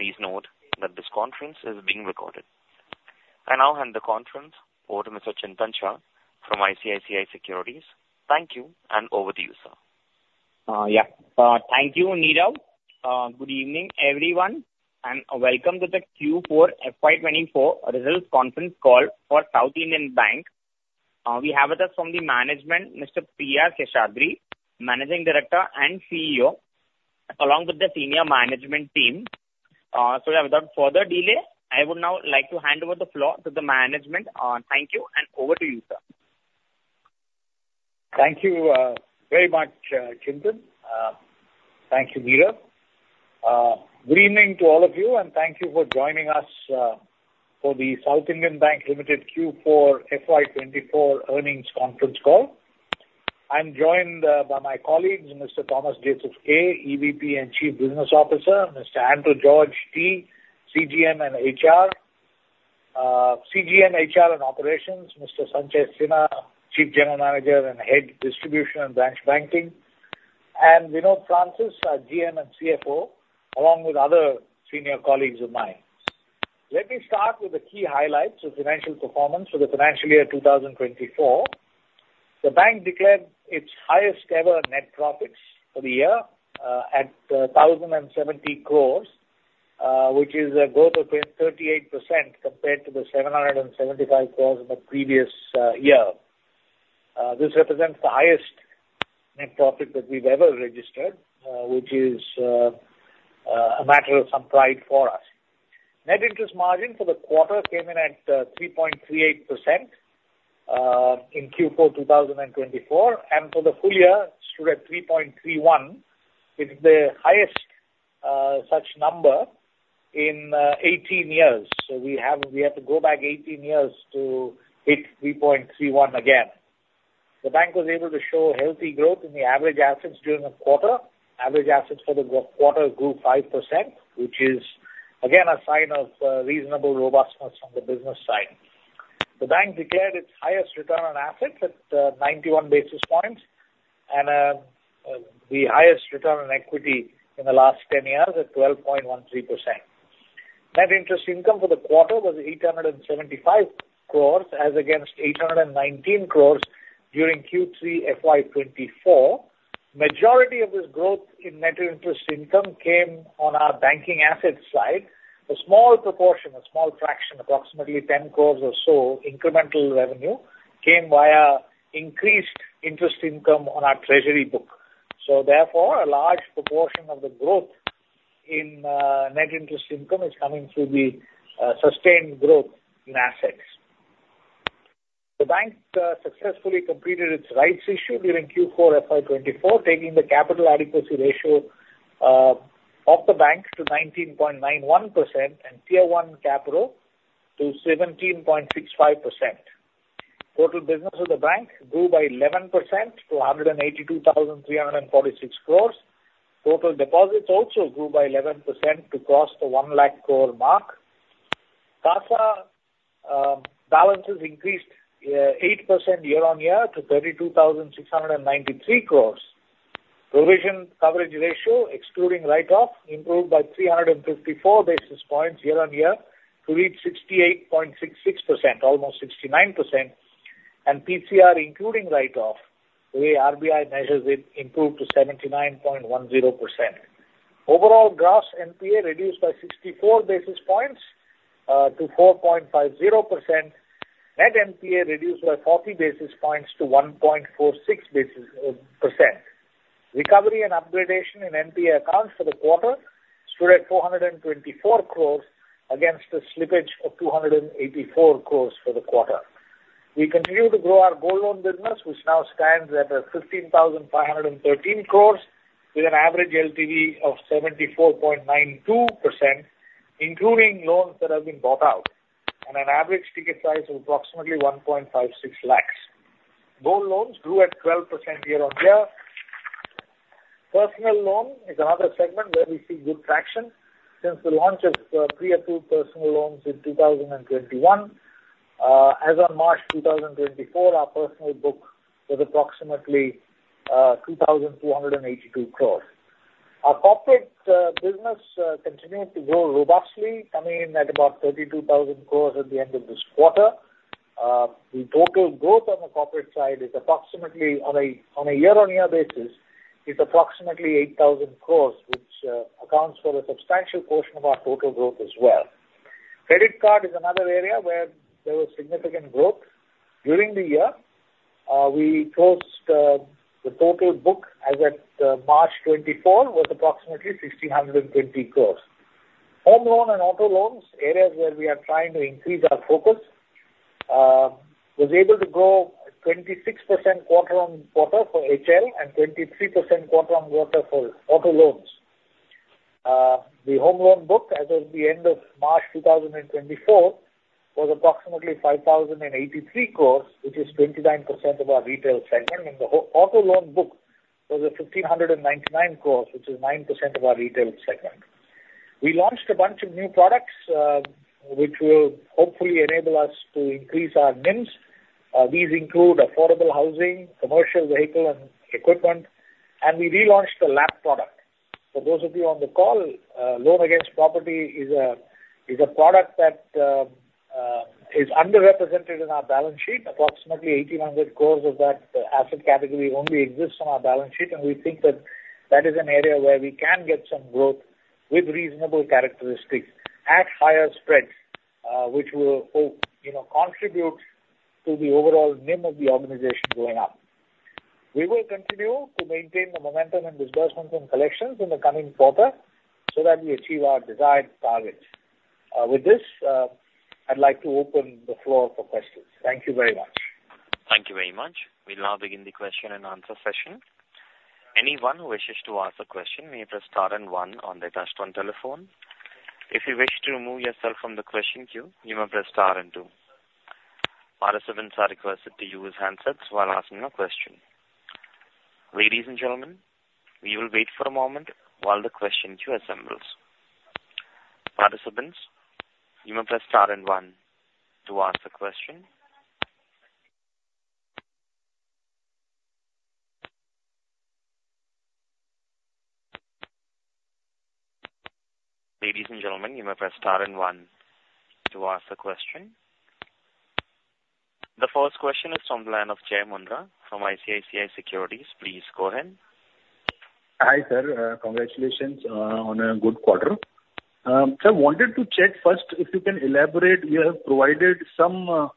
Please note that this conference is being recorded. I now hand the conference over to Mr. Chintan Shah from ICICI Securities. Thank you, and over to you, sir. Yeah. Thank you, Nirav. Good evening, everyone, and welcome to the Q4 FY 2024 results conference call for South Indian Bank. We have with us from the management, Mr. P.R. Seshadri, Managing Director and CEO, along with the senior management team. Without further delay, I would now like to hand over the floor to the management. Thank you, and over to you, sir. Thank you, very much, Chintan. Thank you, Nirav. Good evening to all of you, and thank you for joining us, for the South Indian Bank Limited Q4 FY 2024 earnings conference call. I'm joined by my colleagues, Mr. Thomas Joseph K, EVP and Chief Business Officer, Mr. Anto George T, CGM and HR, CGM, HR and Operations, Mr. Sanchay Sinha, Chief General Manager and Head, Distribution and Branch Banking, and Vinod Francis, our GM and CFO, along with other senior colleagues of mine. Let me start with the key highlights of financial performance for the financial year 2024. The bank declared its highest ever net profits for the year, at 1,070 crores, which is a growth of 38% compared to the 775 crores in the previous year. This represents the highest net profit that we've ever registered, which is a matter of some pride for us. Net interest margin for the quarter came in at 3.38% in Q4 2024, and for the full year, stood at 3.31%, which is the highest such number in 18 years. So we have to go back 18 years to hit 3.31% again. The bank was able to show healthy growth in the average assets during the quarter. Average assets for the quarter grew 5%, which is again a sign of reasonable robustness on the business side. The bank declared its highest return on assets at 91 basis points, and the highest return on equity in the last ten years at 12.13%. Net interest income for the quarter was 875 crores, as against 819 crores during Q3 FY 2024. Majority of this growth in net interest income came on our banking asset side. A small proportion, a small fraction, approximately 10 crores or so, incremental revenue, came via increased interest income on our treasury book. So therefore, a large proportion of the growth in net interest income is coming through the sustained growth in assets. The bank successfully completed its rights issue during Q4 FY 2024, taking the capital adequacy ratio of the bank to 19.91% and Tier I capital to 17.65%. Total business of the bank grew by 11% to 182,346 crore. Total deposits also grew by 11% to cross the 100,000 crore mark. CASA balances increased 8% year-on-year to 32,693 crore. Provision coverage ratio, excluding write-off, improved by 354 basis points year-on-year to reach 68.66%, almost 69%, and PCR including write-off, the way RBI measures it, improved to 79.10%. Overall, gross NPA reduced by 64 basis points to 4.50%. Net NPA reduced by 40 basis points to 1.46%. Recovery and upgradation in NPA accounts for the quarter stood at 424 crore, against a slippage of 284 crore for the quarter. We continue to grow our gold loan business, which now stands at 15,513 crore, with an average LTV of 74.92%, including loans that have been bought out, and an average ticket size of approximately 1.56 lakh. Gold loans grew at 12% year-on-year. Personal loan is another segment where we see good traction. Since the launch of pre-approved personal loans in 2021, as on March 2024, our personal book was approximately 2,282 crore. Our corporate business continued to grow robustly, coming in at about 32,000 crore at the end of this quarter. The total growth on the corporate side is approximately on a year-on-year basis, is approximately 8,000 crore, which accounts for a substantial portion of our total growth as well. Credit card is another area where there was significant growth. During the year, we closed the total book as at March 2024, was approximately 1,620 crore. Home loan and auto loans, areas where we are trying to increase our focus, was able to grow 26% quarter-on-quarter for HL, and 23% quarter-on-quarter for auto loans. The home loan book as at the end of March 2024 was approximately 5,083 crore, which is 29% of our retail segment, and the auto loan book was at 1,599 crore, which is 9% of our retail segment. We launched a bunch of new products, which will hopefully enable us to increase our NIMs. These include affordable housing, commercial vehicle and equipment, and we relaunched the LAP product. For those of you on the call, Loan Against Property is a product that is underrepresented in our balance sheet. Approximately 1,800 crore of that asset category only exists on our balance sheet, and we think that that is an area where we can get some growth with reasonable characteristics at higher spreads, which will, you know, contribute to the overall NIM of the organization going up. We will continue to maintain the momentum and disbursements and collections in the coming quarter, so that we achieve our desired targets. With this, I'd like to open the floor for questions. Thank you very much. Thank you very much. We'll now begin the question and answer session. Anyone who wishes to ask a question, may press star and one on their touchtone telephone. If you wish to remove yourself from the question queue, you may press star and two. Participants are requested to use handsets while asking a question. Ladies and gentlemen, we will wait for a moment while the question queue assembles. Participants, you may press star and one to ask a question. Ladies and gentlemen, you may press star and one to ask a question. The first question is from the line of Jai Mundhra, from ICICI Securities. Please go ahead. Hi, sir. Congratulations on a good quarter. So I wanted to check first, if you can elaborate, you have provided some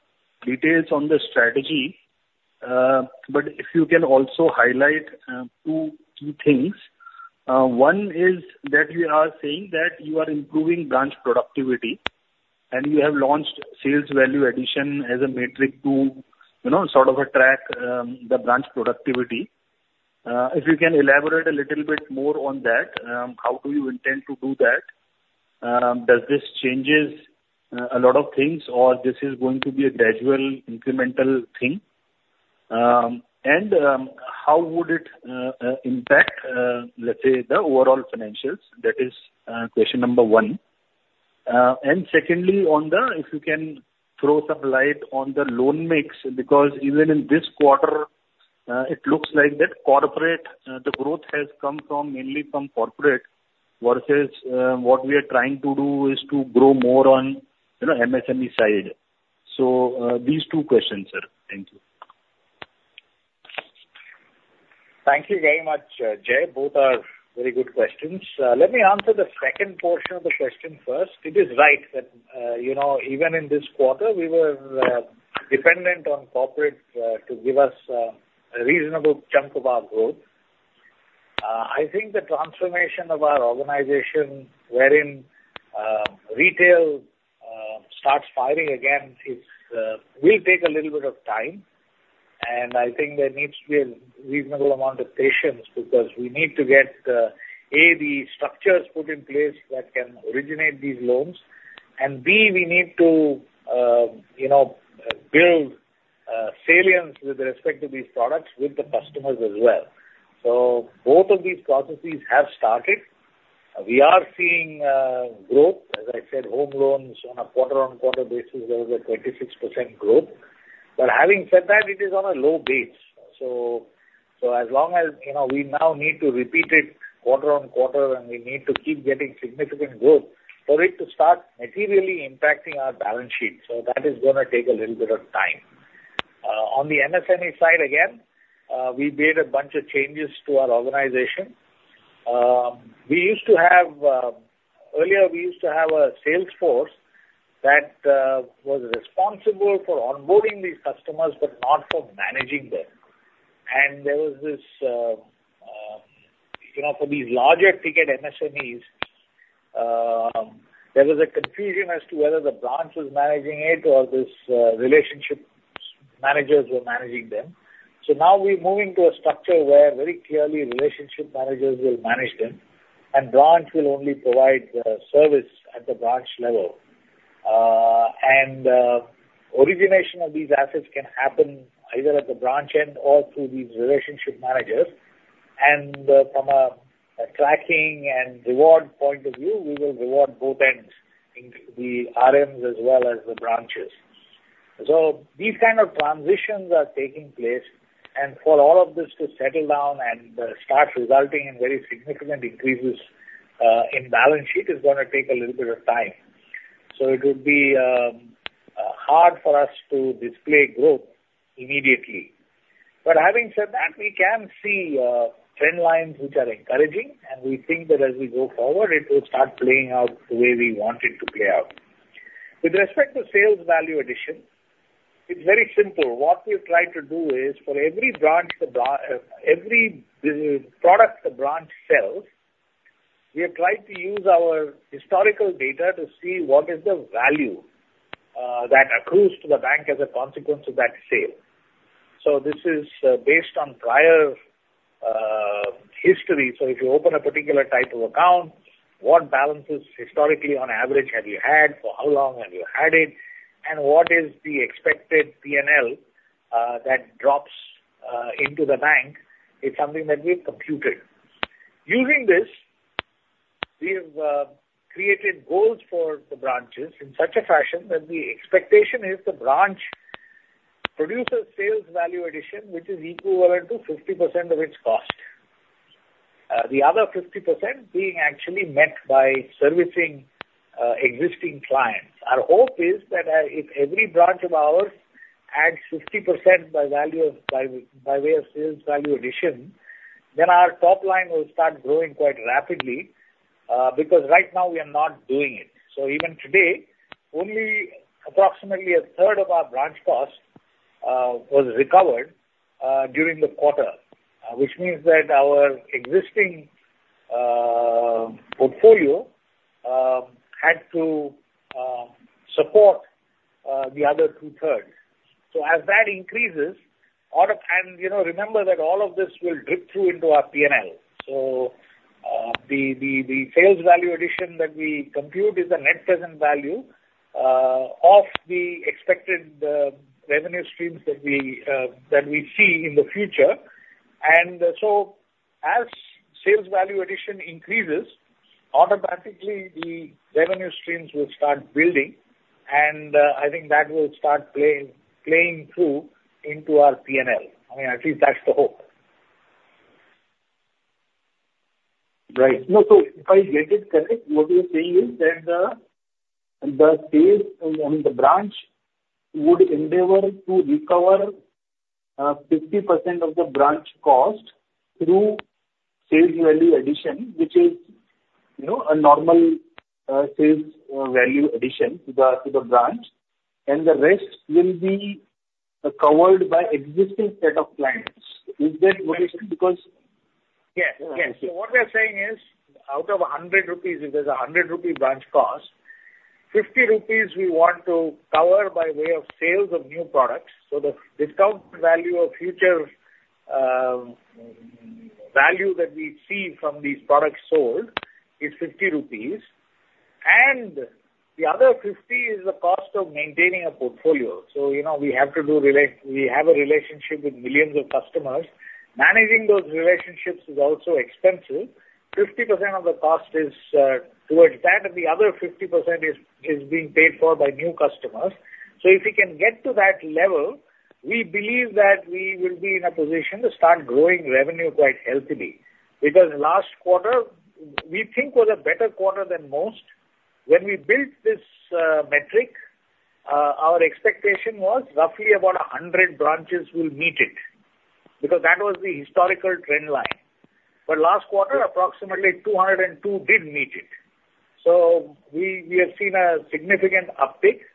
details on the strategy, but if you can also highlight two key things. One is that you are saying that you are improving branch productivity, and you have launched sales value addition as a metric to, you know, sort of track the branch productivity. If you can elaborate a little bit more on that, how do you intend to do that? Does this changes a lot of things, or this is going to be a gradual incremental thing? And how would it impact, let's say, the overall financials? That is question number one. And secondly, on the, if you can throw some light on the loan mix, because even in this quarter, it looks like that corporate, the growth has come from, mainly from corporate versus, what we are trying to do is to grow more on, you know, MSME side. So, these two questions, sir. Thank you. Thank you very much, Jai. Both are very good questions. Let me answer the second portion of the question first. It is right that, you know, even in this quarter, we were dependent on corporate to give us a reasonable chunk of our growth. I think the transformation of our organization wherein retail starts firing again will take a little bit of time, and I think there needs to be a reasonable amount of patience, because we need to get the structures put in place that can originate these loans, and b, we need to, you know, build salience with respect to these products with the customers as well. So both of these processes have started. We are seeing growth, as I said, home loans on a quarter-on-quarter basis, there was a 26% growth. But having said that, it is on a low base. So as long as, you know, we now need to repeat it quarter-on-quarter, and we need to keep getting significant growth for it to start materially impacting our balance sheet. So that is gonna take a little bit of time. On the MSME side, again, we made a bunch of changes to our organization. We used to have, earlier, we used to have a sales force that was responsible for onboarding these customers, but not for managing them. There was this, you know, for these larger ticket MSMEs, there was a confusion as to whether the branch was managing it or this, relationship managers were managing them. So now we're moving to a structure where very clearly relationship managers will manage them, and branch will only provide, service at the branch level. And, origination of these assets can happen either at the branch end or through these relationship managers. And, from a tracking and reward point of view, we will reward both ends, in the RMs as well as the branches. So these kind of transitions are taking place, and for all of this to settle down and, start resulting in very significant increases, in balance sheet, is gonna take a little bit of time. So it would be hard for us to display growth immediately. But having said that, we can see trend lines, which are encouraging, and we think that as we go forward, it will start playing out the way we want it to play out. With respect to sales value addition, it's very simple. What we're trying to do is, for every product the branch sells, we have tried to use our historical data to see what is the value that accrues to the bank as a consequence of that sale. So this is based on prior history. So if you open a particular type of account, what balances historically on average have you had? For how long have you had it? And what is the expected P&L that drops into the bank? It's something that we've computed. Using this, we have created goals for the branches in such a fashion that the expectation is the branch produces sales value addition, which is equivalent to 50% of its cost. The other 50% being actually met by servicing existing clients. Our hope is that, if every branch of ours adds 50% by value of, by, by way of sales value addition, then our top line will start growing quite rapidly, because right now we are not doing it. So even today, only approximately a third of our branch cost was recovered during the quarter. Which means that our existing portfolio had to support the other two-thirds. So as that increases, auto- and, you know, remember that all of this will drip through into our P&L. So, the sales value addition that we compute is the net present value of the expected revenue streams that we see in the future. And so as sales value addition increases, automatically, the revenue streams will start building, and I think that will start playing through into our P&L. I mean, at least that's the hope. Right. No, so if I get it correct, what you're saying is that, the sales on the branch would endeavor to recover, 50% of the branch cost through sales value addition, which is, you know, a normal, sales, value addition to the, to the branch, and the rest will be, covered by existing set of clients. Is that what it is? Because- Yes, yes. So what we are saying is, out of 100 rupees, if there's a 100-rupee branch cost, 50 rupees we want to cover by way of sales of new products. So the discount value of future value that we see from these products sold is 50 rupees, and the other 50 is the cost of maintaining a portfolio. So, you know, we have a relationship with millions of customers. Managing those relationships is also expensive. 50% of the cost is towards that, and the other 50% is being paid for by new customers. So if we can get to that level, we believe that we will be in a position to start growing revenue quite healthily. Because last quarter, we think, was a better quarter than most. When we built this metric, our expectation was roughly about 100 branches will meet it, because that was the historical trend line. But last quarter, approximately 202 did meet it. So we have seen a significant uptick.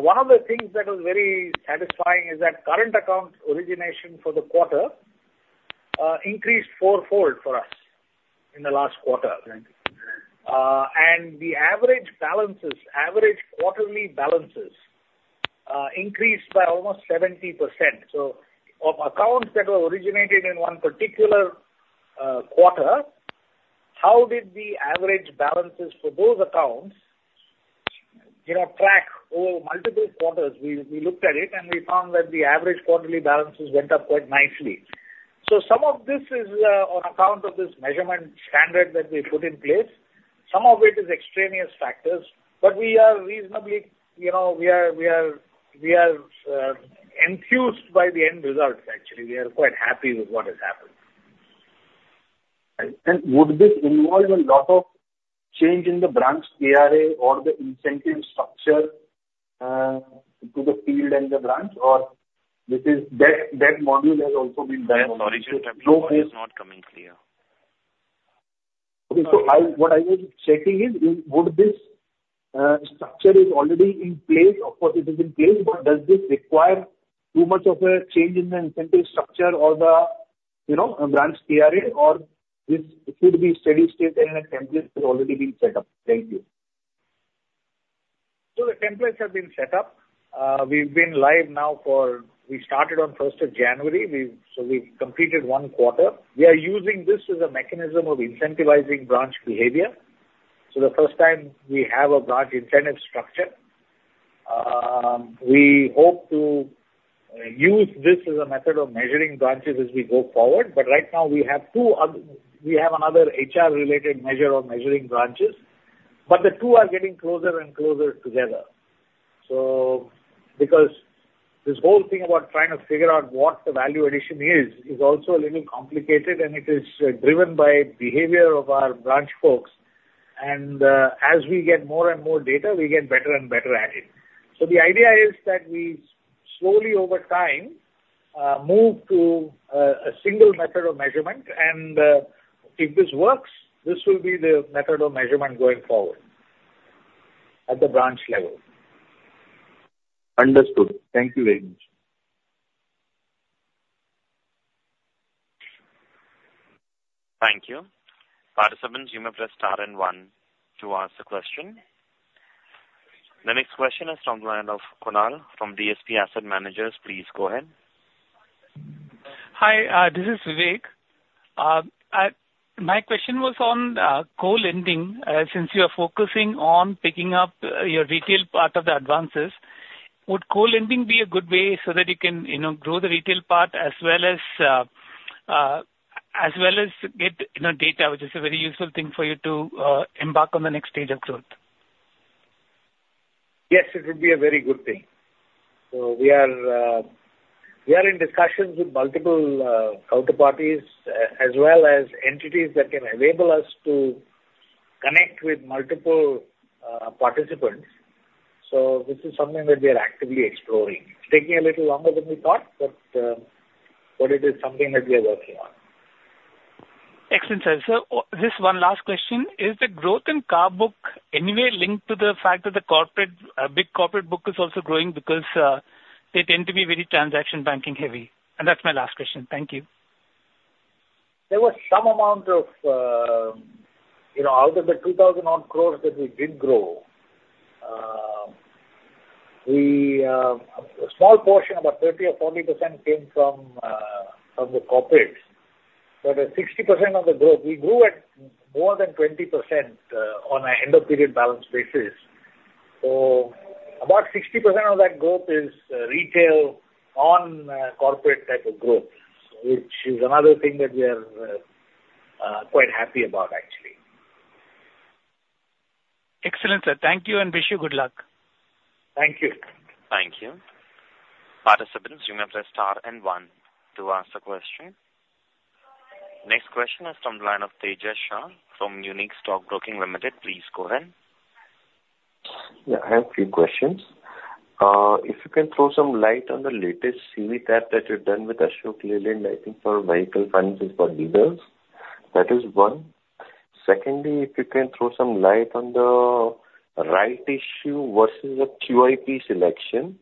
One of the things that was very satisfying is that current account origination for the quarter increased fourfold for us in the last quarter. Right. And the average balances, average quarterly balances, increased by almost 70%. So of accounts that were originated in one particular quarter, how did the average balances for those accounts, you know, track over multiple quarters? We looked at it, and we found that the average quarterly balances went up quite nicely. So some of this is on account of this measurement standard that we put in place. Some of it is extraneous factors, but we are reasonably, you know, enthused by the end results, actually. We are quite happy with what has happened. Would this involve a lot of change in the branch's KRA or the incentive structure, to the field and the branch, or this is that, that module has also been done? Sorry, sir. Your voice is not coming clear. Okay. So what I was checking is, would this structure already be in place? Of course, it is in place, but does this require too much of a change in the incentive structure or the, you know, branch KRA or this it should be steady state, and the templates has already been set up? Thank you. So the templates have been set up. We've been live now for. We started on first of January. So we've completed one quarter. We are using this as a mechanism of incentivizing branch behavior. So the first time we have a branch incentive structure, we hope to use this as a method of measuring branches as we go forward, but right now we have two other- we have another HR-related measure of measuring branches, but the two are getting closer and closer together. So because this whole thing about trying to figure out what the value addition is, is also a little complicated, and it is driven by behavior of our branch folks. And as we get more and more data, we get better and better at it. The idea is that we slowly, over time, move to a single method of measurement, and if this works, this will be the method of measurement going forward at the branch level. Understood. Thank you very much. Thank you. Participants, you may press star and one to ask the question. The next question is from the line of Kunal from DSP Asset Managers. Please go ahead. Hi, this is Vivek. My question was on co-lending. Since you are focusing on picking up your retail part of the advances... Would co-lending be a good way so that you can, you know, grow the retail part as well as get, you know, data, which is a very useful thing for you to embark on the next stage of growth? Yes, it would be a very good thing. So we are, we are in discussions with multiple, counterparties, as well as entities that can enable us to connect with multiple, participants. So this is something that we are actively exploring. It's taking a little longer than we thought, but, but it is something that we are working on. Excellent, sir. So just one last question: Is the growth in car book anywhere linked to the fact that the corporate, big corporate book is also growing because they tend to be very transaction banking heavy? And that's my last question. Thank you. There was some amount of, you know, out of the 2,000-odd crore that we did grow, a small portion, about 30%-40% came from, from the corporates. But the 60% of the growth, we grew at more than 20%, on an end of period balance basis. So about 60% of that growth is, retail on, corporate type of growth, which is another thing that we are, quite happy about actually. Excellent, sir. Thank you and wish you good luck. Thank you. Thank you. Participants, you may press star and one to ask a question. Next question is from the line of Tejas Shah from Unique Stockbroking Limited. Please go ahead. Yeah, I have a few questions. If you can throw some light on the latest CV tie-up that you've done with Ashok Leyland, I think for vehicle financing for dealers. That is one. Secondly, if you can throw some light on the rights issue versus a QIP selection.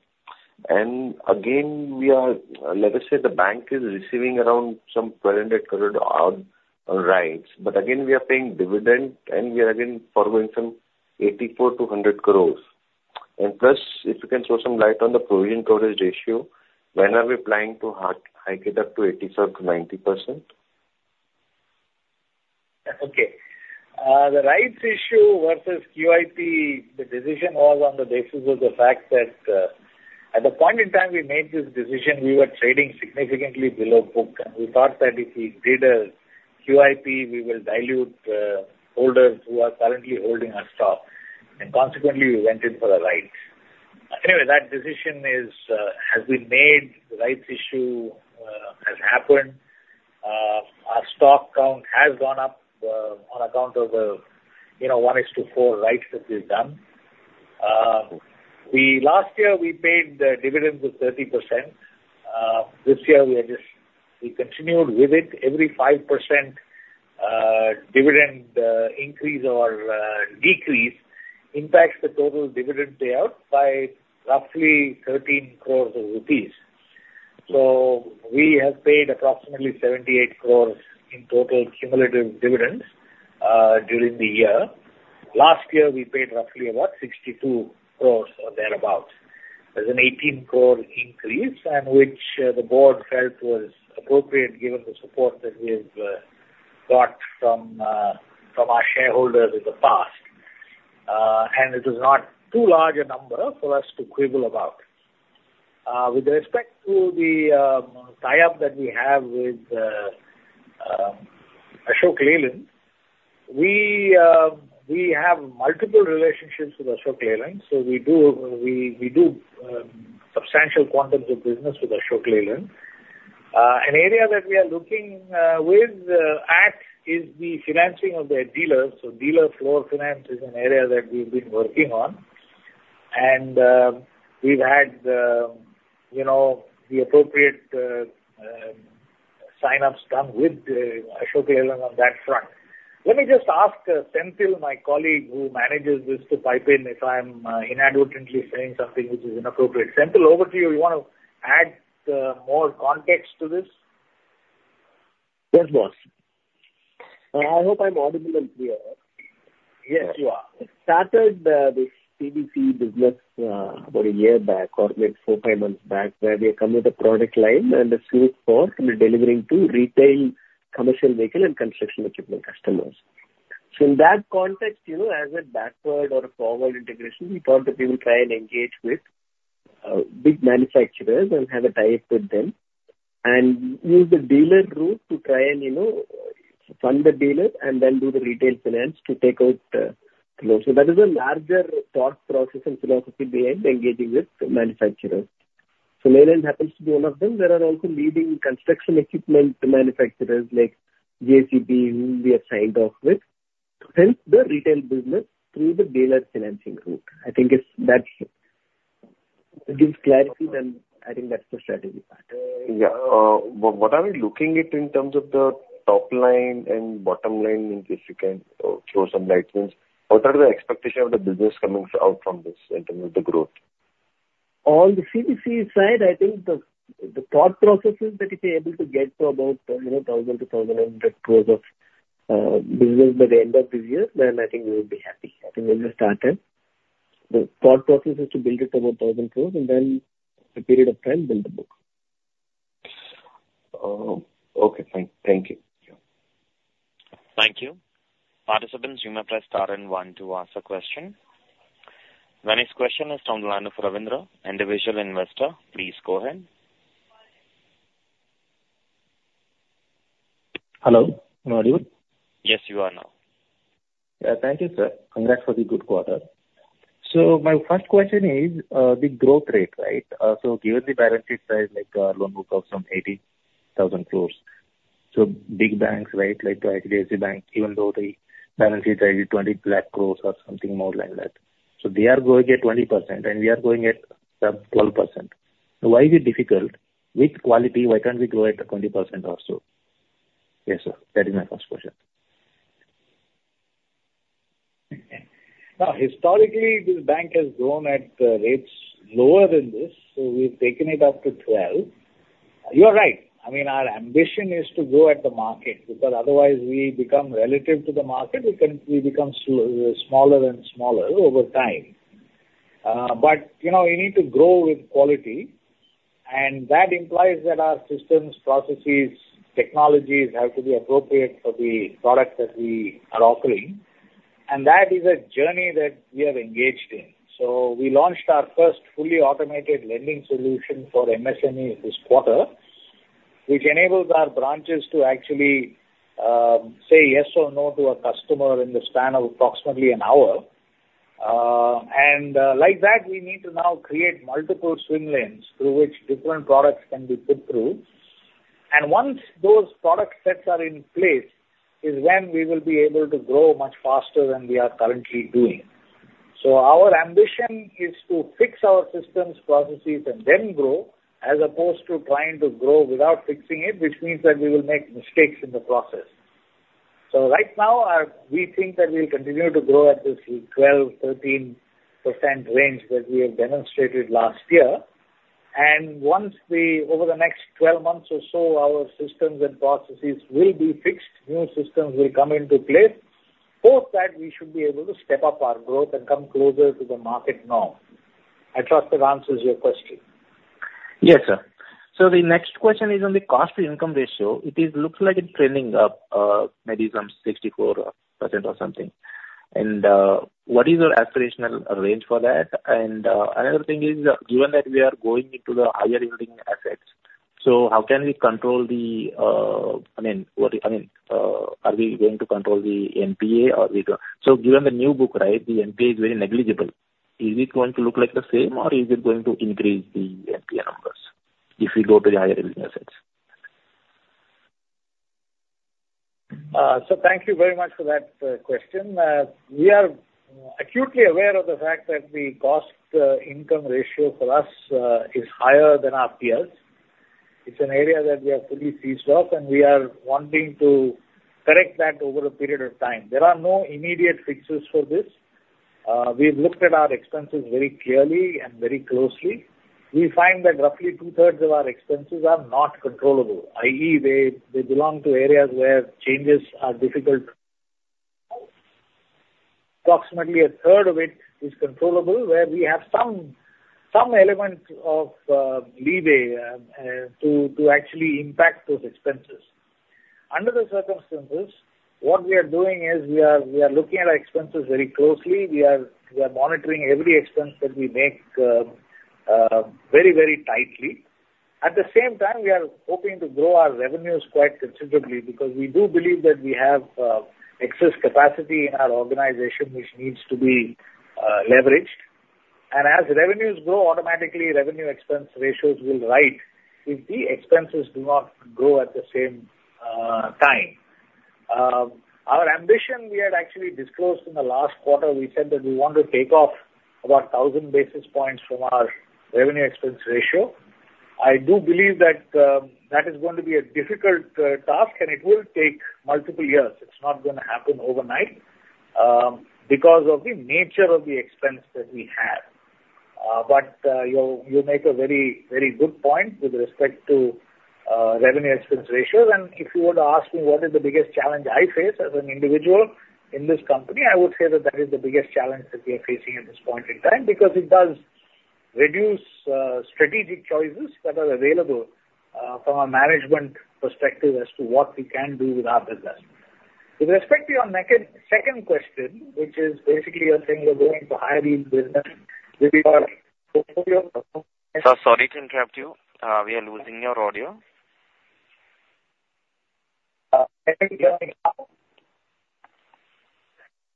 And again, we are, let us say the bank is receiving around some 1,200 crore odd on rights, but again, we are paying dividend and we are again borrowing some 84 crore-100 crore. And plus, if you can throw some light on the provision coverage ratio, when are we planning to hike it up to 85%-90%? Okay. The rights issue versus QIP, the decision was on the basis of the fact that, at the point in time we made this decision, we were trading significantly below book, and we thought that if we did a QIP, we will dilute, holders who are currently holding our stock, and consequently, we went in for the rights. Anyway, that decision is, has been made, the rights issue, has happened. Our stock count has gone up, on account of, you know, one is to four rights that we've done. Last year, we paid the dividends of 30%. This year we are just, we continued with it. Every 5% dividend increase or decrease impacts the total dividend payout by roughly 13 crore rupees. So we have paid approximately 78 crore in total cumulative dividends during the year. Last year, we paid roughly about 62 crore or thereabout. There's an 18 crore increase, and which the board felt was appropriate, given the support that we've got from our shareholders in the past. And it is not too large a number for us to quibble about. With respect to the tie-up that we have with Ashok Leyland, we have multiple relationships with Ashok Leyland, so we do substantial quantities of business with Ashok Leyland. An area that we are looking at is the financing of their dealers. So dealer floor finance is an area that we've been working on, and, we've had, you know, the appropriate, sign-ups done with, Ashok Leyland on that front. Let me just ask, Senthil, my colleague, who manages this, to pipe in if I'm, inadvertently saying something which is inappropriate. Senthil, over to you. You want to add, more context to this? Yes, boss. I hope I'm audible and clear. Yes, you are. We started this CV/CE business about a year back or maybe four to five months back, where we have come with a product line and a suite for delivering to retail, commercial vehicle and construction equipment customers. So in that context, you know, as a backward or a forward integration, we thought that we will try and engage with big manufacturers and have a tie-up with them, and use the dealer route to try and, you know, fund the dealer and then do the retail finance to take out the loan. So that is a larger thought process and philosophy behind engaging with manufacturers. So Leyland happens to be one of them. There are also leading construction equipment manufacturers like JCB, whom we have signed off with, hence the retail business through the dealer financing route. I think it's that it gives clarity. Then I think that's the strategy part. Yeah. What are we looking at in terms of the top line and bottom line, in case you can throw some light since? What are the expectations of the business coming out from this in terms of the growth? On the CBC side, I think the thought process is that if you're able to get to about, you know, 1,000 crore-1,100 crore of business by the end of this year, then I think we will be happy. I think when we started, the thought process is to build it to about 1,000 crore and then a period of time build the book.... Okay, thank you. Yeah. Thank you. Participants, you may press star and one to ask a question. The next question is from the line of Ravindra, individual investor. Please go ahead. Hello, am I mute? Yes, you are now. Thank you, sir. Congrats for the good quarter. So my first question is, the growth rate, right? So given the balance sheet size, like, loan book of some 80,000 crore. So big banks, right, like the Axis Bank, even though the balance sheet size is 2,000,000 crore or something more like that. So they are growing at 20%, and we are growing at, 12%. So why is it difficult? With quality, why can't we grow at 20% also? Yes, sir, that is my first question. Okay. Now, historically, this bank has grown at rates lower than this, so we've taken it up to 12. You are right. I mean, our ambition is to grow at the market, because otherwise we become relative to the market, we become smaller and smaller over time. But, you know, we need to grow with quality, and that implies that our systems, processes, technologies have to be appropriate for the product that we are offering, and that is a journey that we have engaged in. So we launched our first fully automated lending solution for MSME this quarter, which enables our branches to actually say yes or no to a customer in the span of approximately an hour. And, like that, we need to now create multiple swim lanes through which different products can be put through. And once those product sets are in place, is when we will be able to grow much faster than we are currently doing. So our ambition is to fix our systems, processes, and then grow, as opposed to trying to grow without fixing it, which means that we will make mistakes in the process. So right now, we think that we'll continue to grow at this 12%-13% range that we have demonstrated last year. And once we, over the next 12 months or so, our systems and processes will be fixed, new systems will come into place, post that, we should be able to step up our growth and come closer to the market norm. I trust that answers your question. Yes, sir. So the next question is on the cost to income ratio. It looks like it's trending up, maybe some 64% or something. And what is your aspirational range for that? And another thing is, given that we are going into the higher yielding assets, so how can we control the, I mean, what, I mean, are we going to control the NPA or we don't? So given the new book, right, the NPA is very negligible. Is it going to look like the same, or is it going to increase the NPA numbers, if we go to the higher yielding assets? So thank you very much for that question. We are acutely aware of the fact that the cost income ratio for us is higher than our peers. It's an area that we are fully seized of, and we are wanting to correct that over a period of time. There are no immediate fixes for this. We've looked at our expenses very clearly and very closely. We find that roughly two-thirds of our expenses are not controllable, i.e., they belong to areas where changes are difficult. Approximately a third of it is controllable, where we have some element of leeway to actually impact those expenses. Under the circumstances, what we are doing is, we are looking at our expenses very closely. We are monitoring every expense that we make very, very tightly. At the same time, we are hoping to grow our revenues quite considerably because we do believe that we have, excess capacity in our organization, which needs to be, leveraged. And as revenues grow, automatically, revenue expense ratios will rise, if the expenses do not grow at the same, time. Our ambition, we had actually disclosed in the last quarter, we said that we want to take off about 1,000 basis points from our revenue expense ratio. I do believe that, that is going to be a difficult, task, and it will take multiple years. It's not gonna happen overnight, because of the nature of the expense that we have. But, you, you make a very, very good point with respect to, revenue expense ratios. If you were to ask me what is the biggest challenge I face as an individual in this company, I would say that that is the biggest challenge that we are facing at this point in time, because it does reduce strategic choices that are available from a management perspective as to what we can do with our business. With respect to your second question, which is basically you're saying you're going to higher yielding business with your portfolio- Sir, sorry to interrupt you. We are losing your audio. Uh,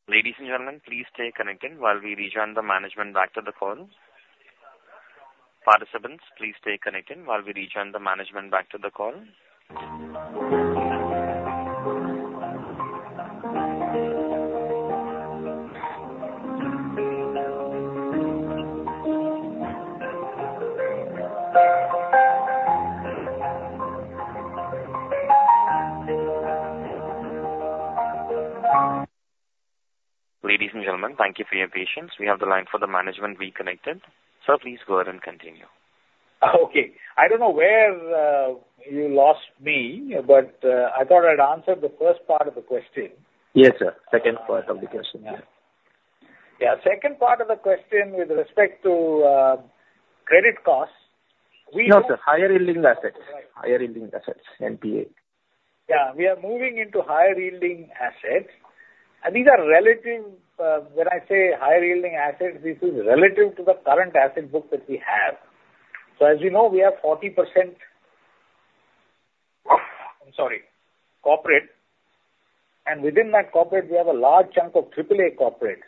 Ladies and gentlemen, please stay connected while we rejoin the management back to the call. Participants, please stay connected while we rejoin the management back to the call. Ladies and gentlemen, thank you for your patience. We have the line for the management reconnected. Sir, please go ahead and continue. Okay. I don't know where you lost me, but I thought I'd answered the first part of the question. Yes, sir. Second part of the question.... Yeah, second part of the question with respect to credit costs, we- No, sir, higher yielding assets. Right. Higher yielding assets, NPA. Yeah, we are moving into higher yielding assets, and these are relative, when I say higher yielding assets, this is relative to the current asset book that we have. So as you know, we have 40%, I'm sorry, corporate, and within that corporate, we have a large chunk of triple A corporate.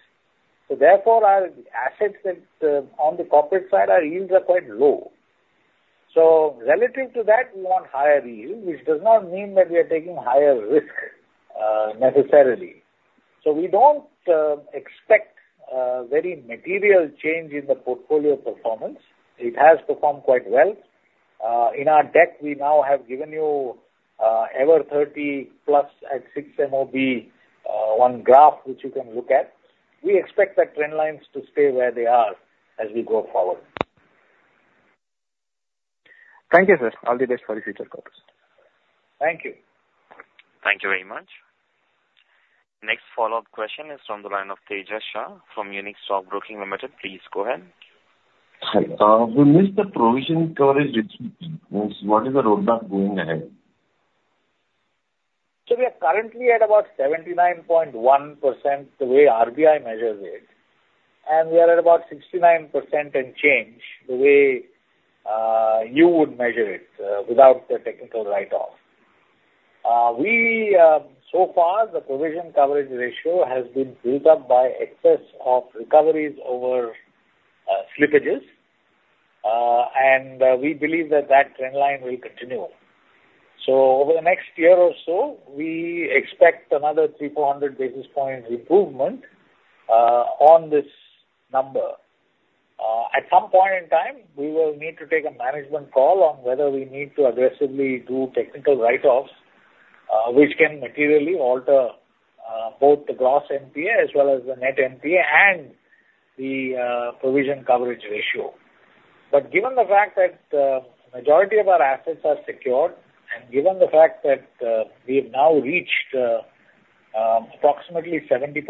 So therefore, our assets that, on the corporate side, our yields are quite low. So relative to that, we want higher yield, which does not mean that we are taking higher risk, necessarily. So we don't expect very material change in the portfolio performance. It has performed quite well. In our deck, we now have given you ever 30+ at 6 MOB, one graph, which you can look at. We expect the trend lines to stay where they are as we go forward. Thank you, sir. All the best for your future purpose. Thank you. Thank you very much. Next follow-up question is from the line of Tejas Shah from Unique Stockbroking Limited. Please go ahead. Hi. We missed the provision coverage, which means what is the roadmap going ahead? So we are currently at about 79.1%, the way RBI measures it, and we are at about 69% and change the way you would measure it without the technical write-off. So far, the provision coverage ratio has been built up by excess of recoveries over slippages, and we believe that that trend line will continue. So over the next year or so, we expect another 300-400 basis point improvement on this number. At some point in time, we will need to take a management call on whether we need to aggressively do technical write-offs, which can materially alter both the gross NPA as well as the net NPA and the provision coverage ratio. But given the fact that majority of our assets are secured, and given the fact that we have now reached approximately 70%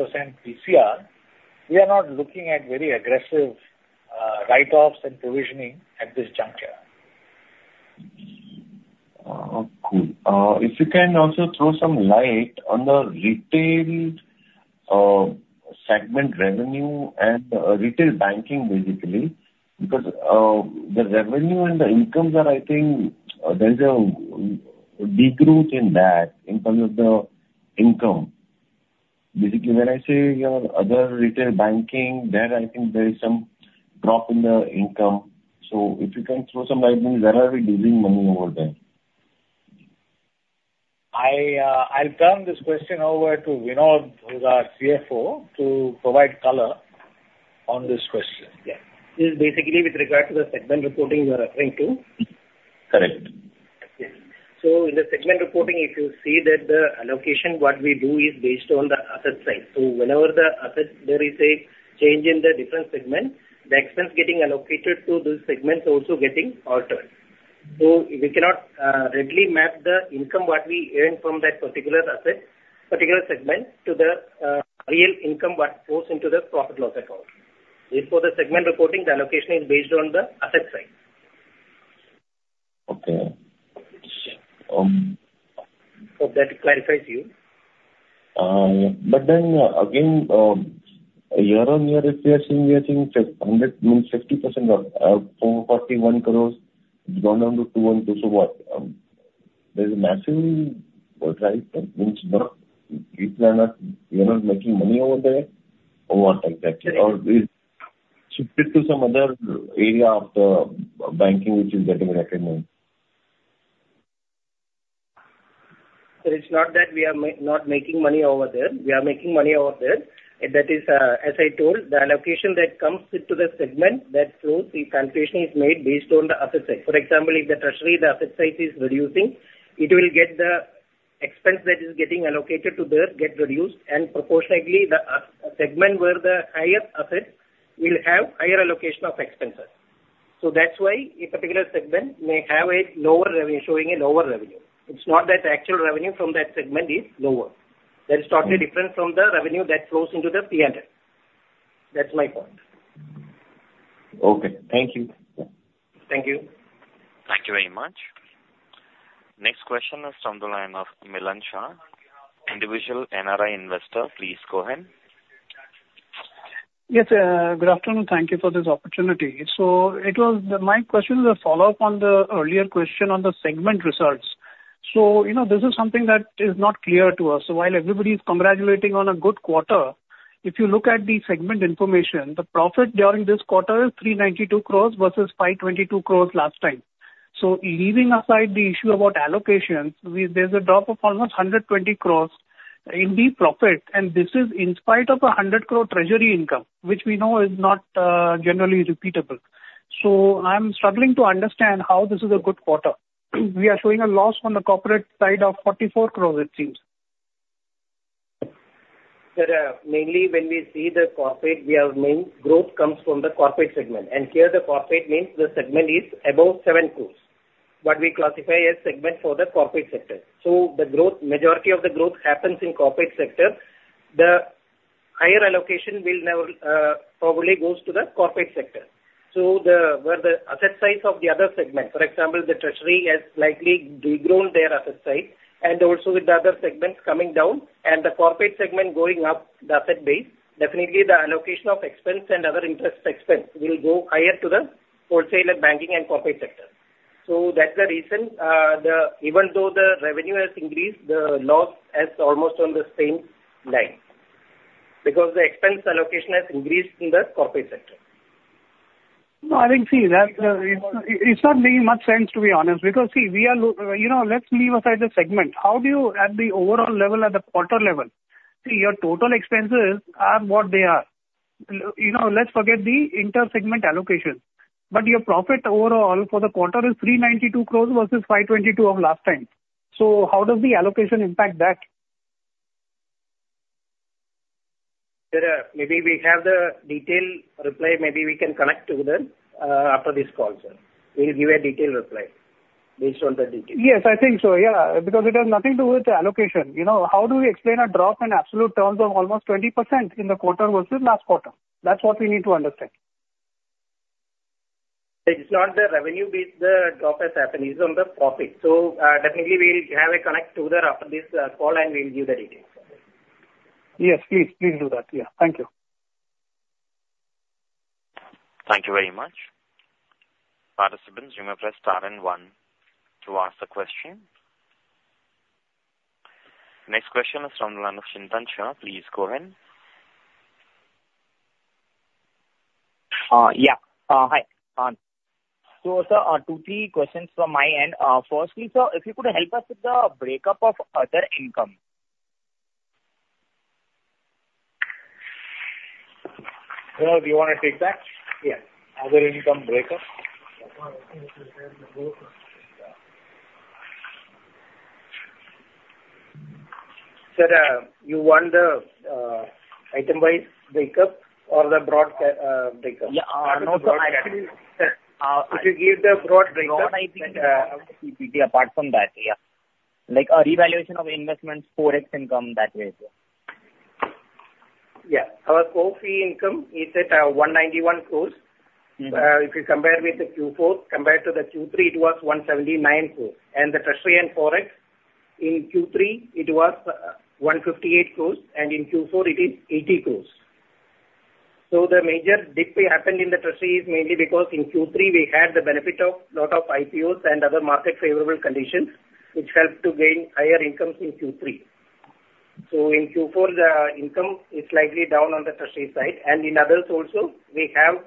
PCR, we are not looking at very aggressive write-offs and provisioning at this juncture. Cool. If you can also throw some light on the retail segment revenue and retail banking, basically, because the revenue and the incomes are, I think, there is a decrease in that in terms of the income. Basically, when I say your other retail banking, there I think there is some drop in the income. So if you can throw some light, where are we losing money over there? I, I'll turn this question over to Vinod, who is our CFO, to provide color on this question. Yeah. This is basically with regard to the segment reporting you are referring to? Correct. Yes. So in the segment reporting, if you see that the allocation, what we do is based on the asset side. So whenever the asset, there is a change in the different segments, the expense getting allocated to those segments also getting altered. So we cannot readily map the income, what we earn from that particular asset, particular segment, to the real income what goes into the profit loss account. Therefore, the segment reporting, the allocation is based on the asset side. Okay. Um- Hope that clarifies you. But then, again, year-on-year, if we are seeing, we are seeing 100, means 60% of 441 crore gone down to 21 crore, so what? There's a massive drop, right? That means we are not, we are not making money over there or what exactly? Or is shifted to some other area of the banking which is getting recognized. So it's not that we are not making money over there. We are making money over there. That is, as I told, the allocation that comes into the segment, that shows the calculation is made based on the asset side. For example, if the treasury, the asset side is reducing, it will get the expense that is getting allocated to this get reduced, and proportionately, the segment where the highest assets will have higher allocation of expenses. So that's why a particular segment may have a lower revenue, showing a lower revenue. It's not that the actual revenue from that segment is lower. That is totally different from the revenue that flows into the P&L. That's my point. Okay. Thank you. Thank you. Thank you very much. Next question is from the line of Milan Shah, individual NRI investor. Please go ahead. Yes, good afternoon. Thank you for this opportunity. So it was... My question is a follow-up on the earlier question on the segment results. So, you know, this is something that is not clear to us. So while everybody is congratulating on a good quarter, if you look at the segment information, the profit during this quarter is 392 crore versus 522 crore last time. So leaving aside the issue about allocation, we- there's a drop of almost 120 crore in the profit, and this is in spite of a 100 crore treasury income, which we know is not generally repeatable. So I'm struggling to understand how this is a good quarter. We are showing a loss on the corporate side of 44 crore, it seems. Sir, mainly when we see the corporate, we have main growth comes from the corporate segment, and here the corporate means the segment is above 7 crore... what we classify as segment for the corporate sector. So the growth, majority of the growth happens in corporate sector. The higher allocation will now probably goes to the corporate sector. So the, where the asset size of the other segment, for example, the treasury has slightly de-grown their asset size, and also with the other segments coming down and the corporate segment going up the asset base, definitely the allocation of expense and other interest expense will go higher to the wholesale and banking and corporate sector. So that's the reason, even though the revenue has increased, the loss is almost on the same line, because the expense allocation has increased in the corporate sector. No, I think, see, that, it's not making much sense, to be honest. Because, see, we are, you know, let's leave aside the segment. How do you at the overall level, at the quarter level, see, your total expenses are what they are. You know, let's forget the inter-segment allocation, but your profit overall for the quarter is 392 crore versus 522 crore of last time. So how does the allocation impact that? Sir, maybe we have the detailed reply, maybe we can connect to that, after this call, sir. We'll give a detailed reply based on the detail. Yes, I think so. Yeah, because it has nothing to do with the allocation. You know, how do we explain a drop in absolute terms of almost 20% in the quarter versus last quarter? That's what we need to understand. It's not the revenue base the drop has happened, is on the profit. So, definitely we'll have a connect to that after this call, and we'll give the details. Yes, please. Please do that. Yeah. Thank you. Thank you very much. Participants, you may press star and one to ask the question. Next question is from the line of Chintan Shah. Please go ahead. Yeah. Hi. So sir, one to three questions from my end. Firstly, sir, if you could help us with the break-up of other income. Vinod, do you want to take that? Yeah. Other income breakup. Sir, you want the item-wise breakup or the broad breakup? Yeah, uh, If you give the broad breakup, then, Apart from that, yeah. Like, a revaluation of investments, forex income, that way, sir. Yeah. Our core fee income is at 191 crore. Mm-hmm. If you compare with the Q4, compared to the Q3, it was 179 crore. And the treasury and forex, in Q3, it was one fifty-eight crores, and in Q4 it is 80 crore. So the major dip happened in the treasury is mainly because in Q3 we had the benefit of lot of IPOs and other market favorable conditions, which helped to gain higher incomes in Q3. So in Q4, the income is slightly down on the treasury side, and in others also, we have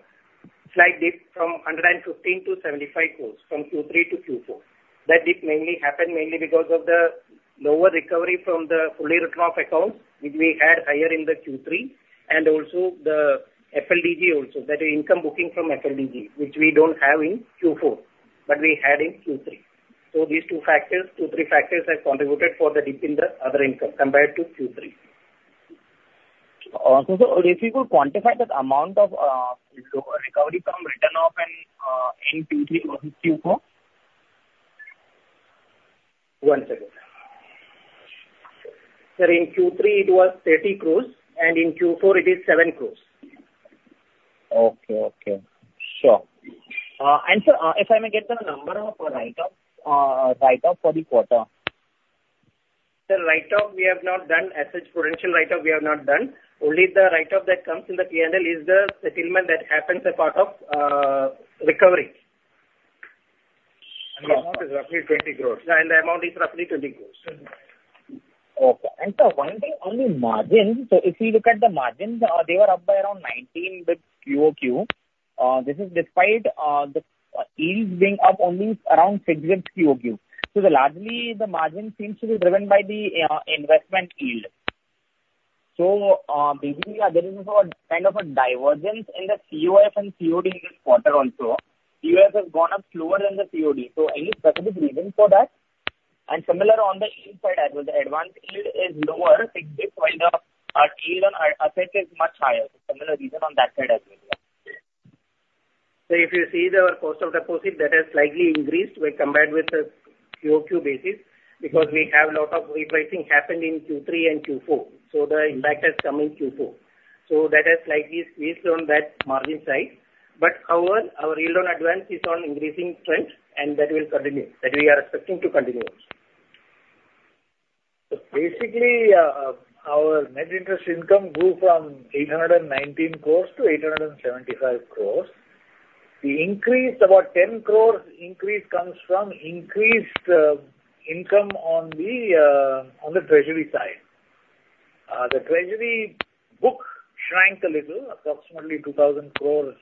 slight dip from 115 crore to 75 crore from Q3 to Q4. That dip mainly happened mainly because of the lower recovery from the fully written-off accounts, which we had higher in the Q3, and also the FLDG also, that is income booking from FLDG, which we don't have in Q4, but we had in Q3. So these two factors, two, three factors have contributed for the dip in the other income compared to Q3. So, sir, if you could quantify the amount of lower recovery from written off in Q3 from Q4? One second. Sir, in Q3 it was 30 crore, and in Q4 it is 7 crore. Okay, okay. Sure. Sir, if I may get the number of write-off, write-off for the quarter. The write-off, we have not done as such potential write-off, we have not done. Only the write-off that comes in the P&L is the settlement that happens as part of recovery. And the amount is roughly 20 crore. And the amount is roughly 20 crore. Okay. And sir, one thing on the margin, so if you look at the margins, they were up by around 19 with QOQ. This is despite the yields being up only around six with QOQ. So largely the margin seems to be driven by the investment yield. So, basically, there is a kind of a divergence in the COF and COD in this quarter also. COF has gone up slower than the COD, so any specific reason for that? And similar on the yield side as well, the advance yield is lower, fixed while the yield on asset is much higher. Similar reason on that side as well. So if you see our cost of deposit, that has slightly increased when compared with the QoQ basis, because we have a lot of repricing happened in Q3 and Q4, so the impact has come in Q4. So that has slightly squeezed on that margin side. But however, our yield on advance is on increasing trend, and that will continue, that we are expecting to continue. So basically, our net interest income grew from 819 crore to 875 crore. The increase, about 10 crore increase comes from increased, income on the, on the treasury side. The treasury book shrank a little, approximately 2,000 crore,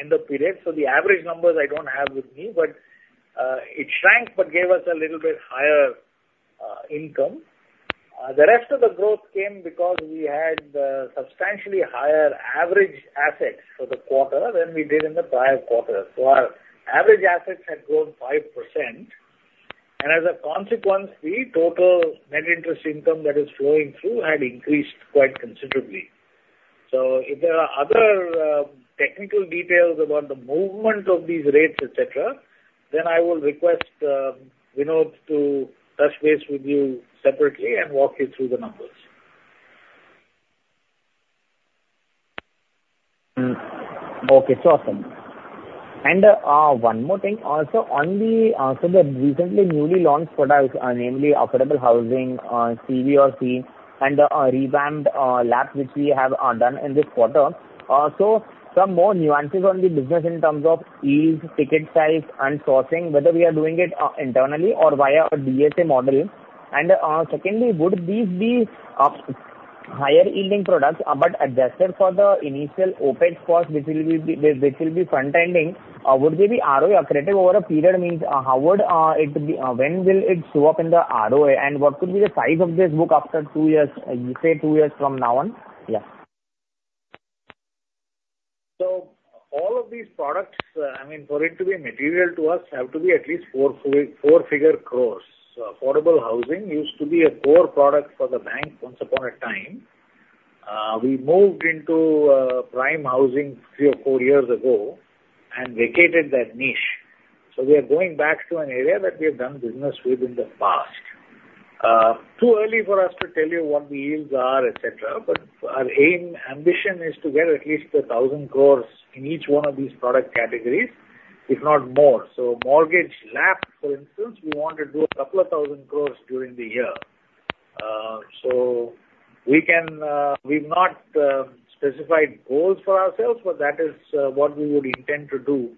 end of period. So the average numbers I don't have with me, but, it shrank but gave us a little bit higher, income. The rest of the growth came because we had substantially higher average assets for the quarter than we did in the prior quarter. So our average assets had grown 5%, and as a consequence, the total net interest income that is flowing through had increased quite considerably.... So if there are other technical details about the movement of these rates, et cetera, then I will request Vinod to touch base with you separately and walk you through the numbers. Okay, it's awesome. And, one more thing also, on the, so the recently newly launched products, namely Affordable Housing, CV or CE, and Revamped LAP, which we have done in this quarter. So some more nuances on the business in terms of LTV, ticket size, and sourcing, whether we are doing it internally or via a DSA model. And, secondly, would these be higher yielding products, but adjusted for the initial OpEx cost, which will be front-ending, would they be ROE accretive over a period, means, how would it be, when will it show up in the ROE? And what could be the size of this book after two years, say, two years from now on? Yeah. All of these products, I mean, for it to be material to us, have to be at least four, four figure crores. Affordable housing used to be a core product for the bank once upon a time. I mean, we moved into prime housing three or four years ago and vacated that niche. We are going back to an area that we have done business with in the past. Too early for us to tell you what the yields are, et cetera, but our aim, ambition is to get at least 1,000 crore in each one of these product categories, if not more. Mortgage LAP, for instance, we want to do a couple of 1,000 crore during the year. So we can, we've not specified goals for ourselves, but that is what we would intend to do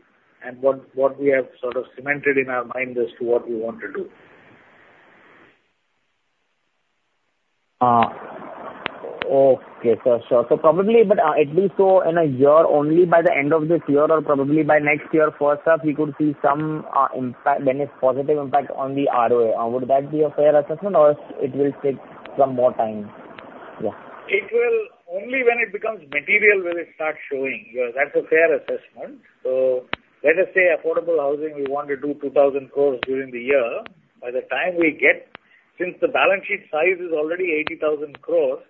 and what we have sort of cemented in our mind as to what we want to do. Okay. Sure, sure. So probably, but, it will show in a year, only by the end of this year or probably by next year, first half, we could see some impact, then it's positive impact on the ROE. Would that be a fair assessment or it will take some more time? Yeah. It will... Only when it becomes material will it start showing. Yeah, that's a fair assessment. So let us say affordable housing, we want to do 2,000 crore during the year. By the time we get, since the balance sheet size is already 80,000 crore,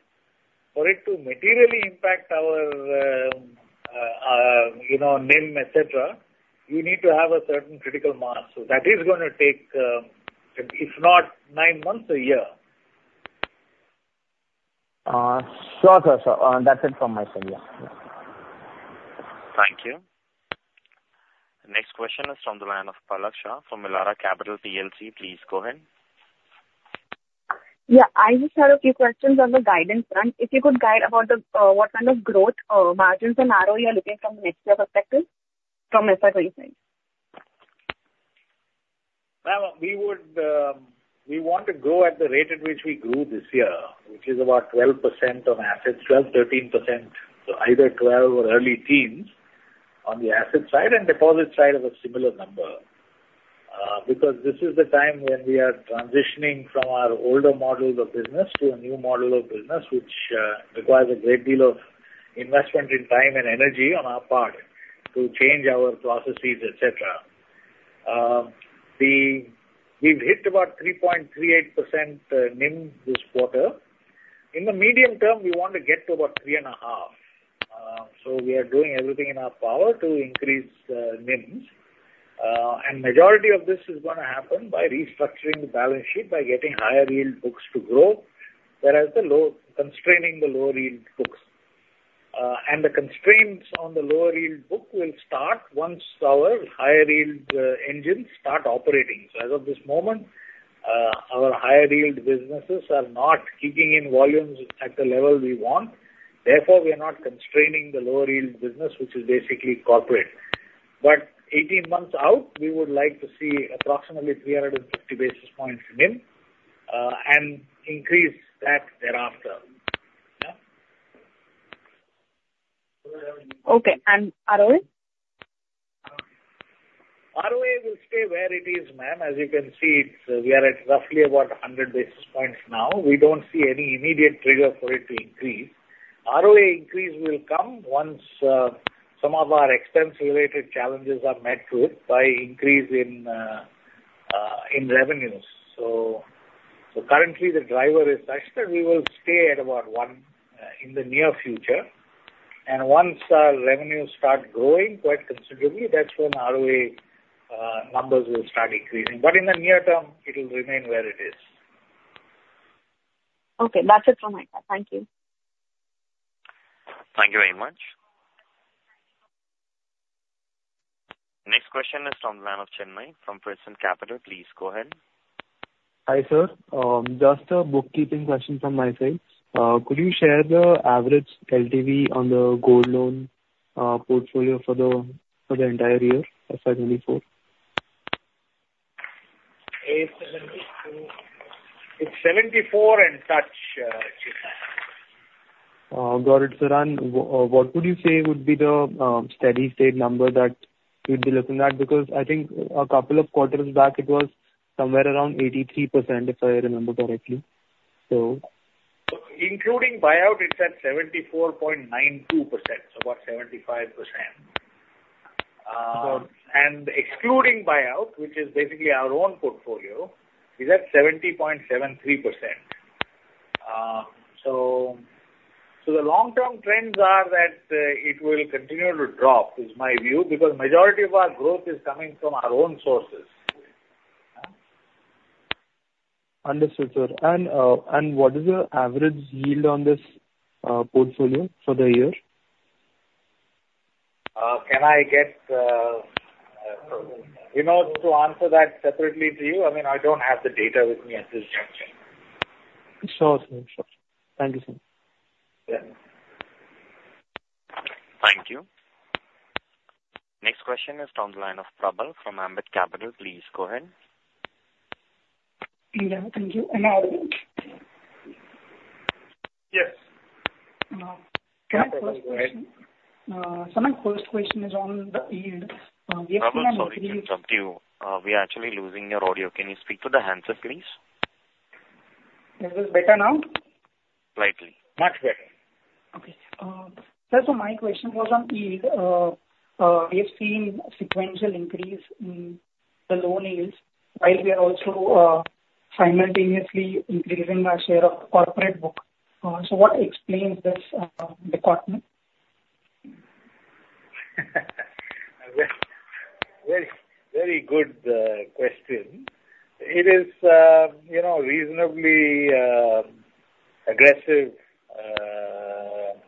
for it to materially impact our, you know, NIM, et cetera, we need to have a certain critical mass. So that is gonna take, if not nine months, a year. Sure, sir. Sir, that's it from my side. Yeah. Yeah. Thank you. Next question is from the line of Palak Shah, from Elara Capital PLC. Please go ahead. Yeah, I just had a few questions on the guidance front. If you could guide about the what kind of growth, margins and ROE are looking from the mixture perspective, from my side? Ma'am, we would, we want to grow at the rate at which we grew this year, which is about 12% of assets, 12%-13%, so either 12% or early teens on the asset side, and deposit side is a similar number. Because this is the time when we are transitioning from our older models of business to a new model of business, which requires a great deal of investment in time and energy on our part to change our processes, et cetera. We've hit about 3.38% NIM this quarter. In the medium term, we want to get to about 3.5%. So we are doing everything in our power to increase NIMs. And majority of this is gonna happen by restructuring the balance sheet, by getting higher yield books to grow, whereas the low, constraining the lower yield books. And the constraints on the lower yield book will start once our higher yield engines start operating. So as of this moment, our higher yield businesses are not keeping in volumes at the level we want. Therefore, we are not constraining the lower yield business, which is basically corporate. But 18 months out, we would like to see approximately 350 basis points NIM, and increase that thereafter. Yeah? Okay, and ROE? ROE will stay where it is, ma'am. As you can see, it's we are at roughly about 100 basis points now. We don't see any immediate trigger for it to increase. ROE increase will come once some of our expense-related challenges are met with by increase in revenues. So currently the driver is cluster. We will stay at about one in the near future, and once our revenues start growing quite considerably, that's when ROE numbers will start increasing. But in the near term, it will remain where it is. Okay. That's it from my side. Thank you. Thank you very much. Next question is from the line of Chinmay, from Prescient Capital. Please go ahead. Hi, sir. Just a bookkeeping question from my side. Could you share the average LTV on the gold loan portfolio for the entire year of FY 2024? It's 74. It's 74 and touch, Chinmay. Got it, sir. And what would you say would be the steady state number that you'd be looking at? Because I think a couple of quarters back it was somewhere around 83%, if I remember correctly. So... Including buyout, it's at 74.92%, so about 75%.... and excluding buyout, which is basically our own portfolio, is at 70.73%. So, the long-term trends are that it will continue to drop, is my view, because majority of our growth is coming from our own sources. Understood, sir. And what is the average yield on this portfolio for the year? Can I get, you know, to answer that separately to you? I mean, I don't have the data with me at this juncture. Sure, sir. Sure. Thank you, sir. Yeah. Thank you. Next question is on the line of Prabal from Ambit Capital. Please go ahead. Yeah, thank you. I'm audible? Yes. Can I- Go ahead. My first question is on the yield. We have seen- Prabal, sorry to interrupt you. We are actually losing your audio. Can you speak to the handset, please? Is it better now? Slightly. Much better. Okay. Sir, so my question was on yield. We have seen sequential increase in the loan yields while we are also simultaneously increasing our share of corporate book. So what explains this dichotomy? Very, very good question. It is, you know, reasonably aggressive